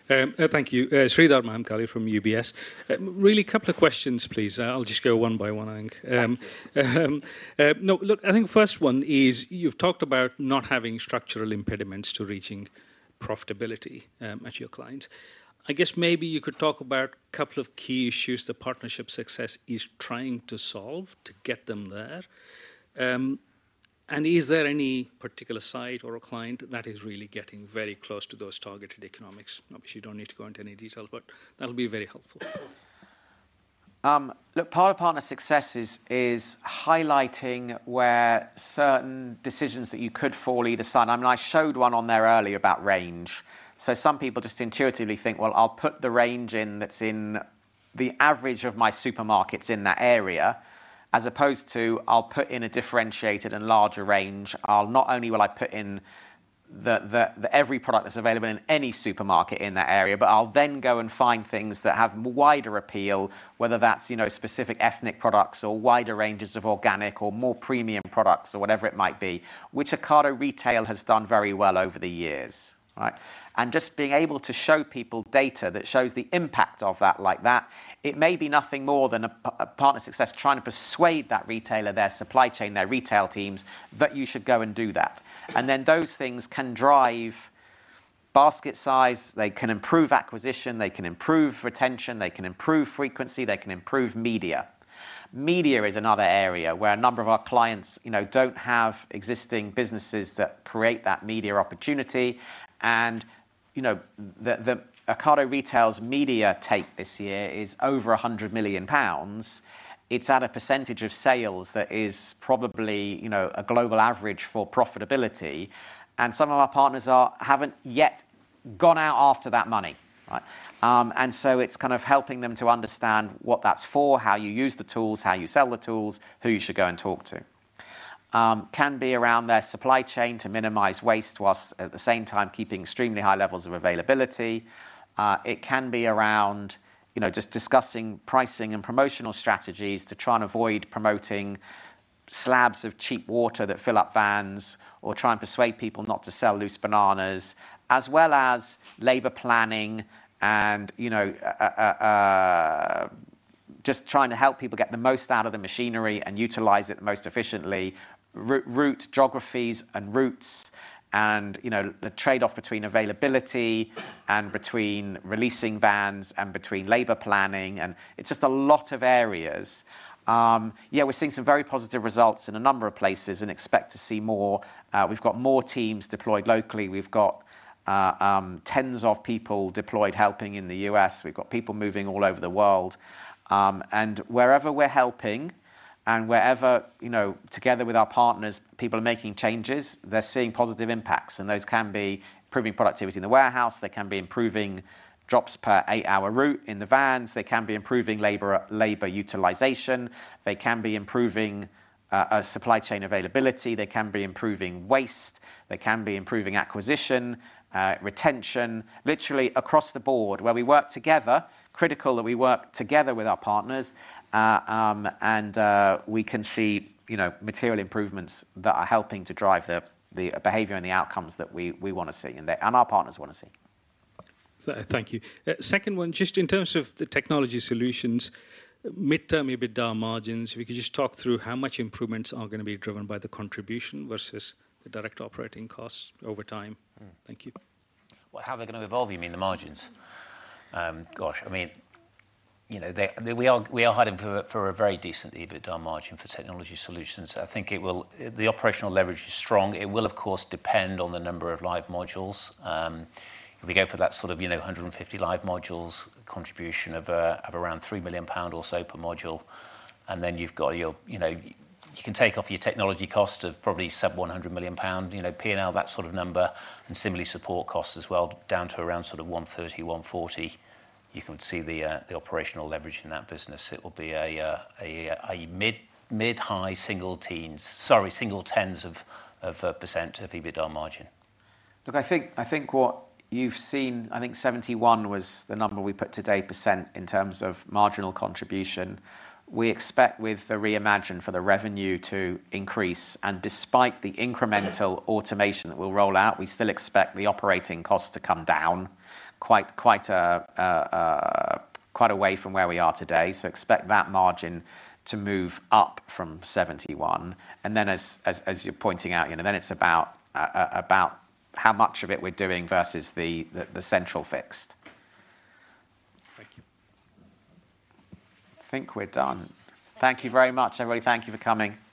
There you go. Thank you. Sridhar Mahankali from UBS. Really, a couple of questions, please. I'll just go one by one, I think. No, look, I think first one is, you've talked about not having structural impediments to reaching profitability, at your clients. I guess maybe you could talk about a couple of key issues the partnership success is trying to solve to get them there. And is there any particular site or a client that is really getting very close to those targeted economics? Obviously, you don't need to go into any detail, but that'll be very helpful. Look, part of Partner Success is highlighting where certain decisions that you could fall either side. I mean, I showed one on there earlier about range. So some people just intuitively think, "Well, I'll put the range in that's in the average of my supermarkets in that area, as opposed to, I'll put in a differentiated and larger range. I'll not only put in the every product that's available in any supermarket in that area, but I'll then go and find things that have wider appeal, whether that's, you know, specific ethnic products or wider ranges of organic or more premium products or whatever it might be, which Ocado Retail has done very well over the years, right? And just being able to show people data that shows the impact of that like that, it may be nothing more than a Partner Success trying to persuade that retailer, their supply chain, their retail teams, that you should go and do that. And then those things can drive basket size, they can improve acquisition, they can improve retention, they can improve frequency, they can improve media. Media is another area where a number of our clients, you know, don't have existing businesses that create that media opportunity. And, you know, the Ocado Retail's media take this year is over 100 million pounds. It's at a percentage of sales that is probably, you know, a global average for profitability, and some of our partners haven't yet gone out after that money, right? And so it's kind of helping them to understand what that's for, how you use the tools, how you sell the tools, who you should go and talk to. It can be around their supply chain to minimize waste, while at the same time keeping extremely high levels of availability. It can be around, you know, just discussing pricing and promotional strategies to try and avoid promoting slabs of cheap water that fill up vans, or try and persuade people not to sell loose bananas, as well as labor planning and, you know, just trying to help people get the most out of the machinery and utilize it the most efficiently. Route, geographies and routes, and, you know, the trade-off between availability and between releasing vans and between labor planning, and it's just a lot of areas. Yeah, we're seeing some very positive results in a number of places and expect to see more. We've got more teams deployed locally. We've got tens of people deployed, helping in the U.S. We've got people moving all over the world. Wherever we're helping and wherever, you know, together with our partners, people are making changes, they're seeing positive impacts, and those can be improving productivity in the warehouse, they can be improving drops per eight-hour route in the vans, they can be improving labor, labor utilization, they can be improving supply chain availability, they can be improving waste, they can be improving acquisition, retention. Literally across the board, where we work together, critical that we work together with our partners, and we can see, you know, material improvements that are helping to drive the behavior and the outcomes that we wanna see, and they, and our partners wanna see. Thank you. Second one, just in terms of the Technology Solutions, midterm EBITDA margins, if you could just talk through how much improvements are gonna be driven by the contribution versus the direct operating costs over time. Thank you. Well, how are they gonna evolve? You mean the margins? Gosh, I mean, you know, they, we are, we are aiming for a, for a very decent EBITDA margin for technology solutions. I think it will... The operational leverage is strong. It will, of course, depend on the number of live modules. If we go for that sort of, you know, 150 live modules, contribution of, of around 3 million pound or so per module, and then you've got your, you know, you can take off your technology cost of probably sub 100 million pound, you know, P&L, that sort of number, and similarly support costs as well, down to around sort of 130 million-140 million. You can see the, the operational leverage in that business. It will be a mid-high single teens, sorry, single tens of % of EBITDA margin. Look, I think, I think what you've seen, I think 71 was the number we put today, percent, in terms of marginal contribution. We expect with the Reimagine for the revenue to increase, and despite the incremental automation that we'll roll out, we still expect the operating costs to come down quite, quite, quite a way from where we are today. So expect that margin to move up from 71. And then, as you're pointing out, you know, then it's about about how much of it we're doing versus the, the, the central fixed. Thank you. I think we're done. Thank you very much, everybody. Thank you for coming.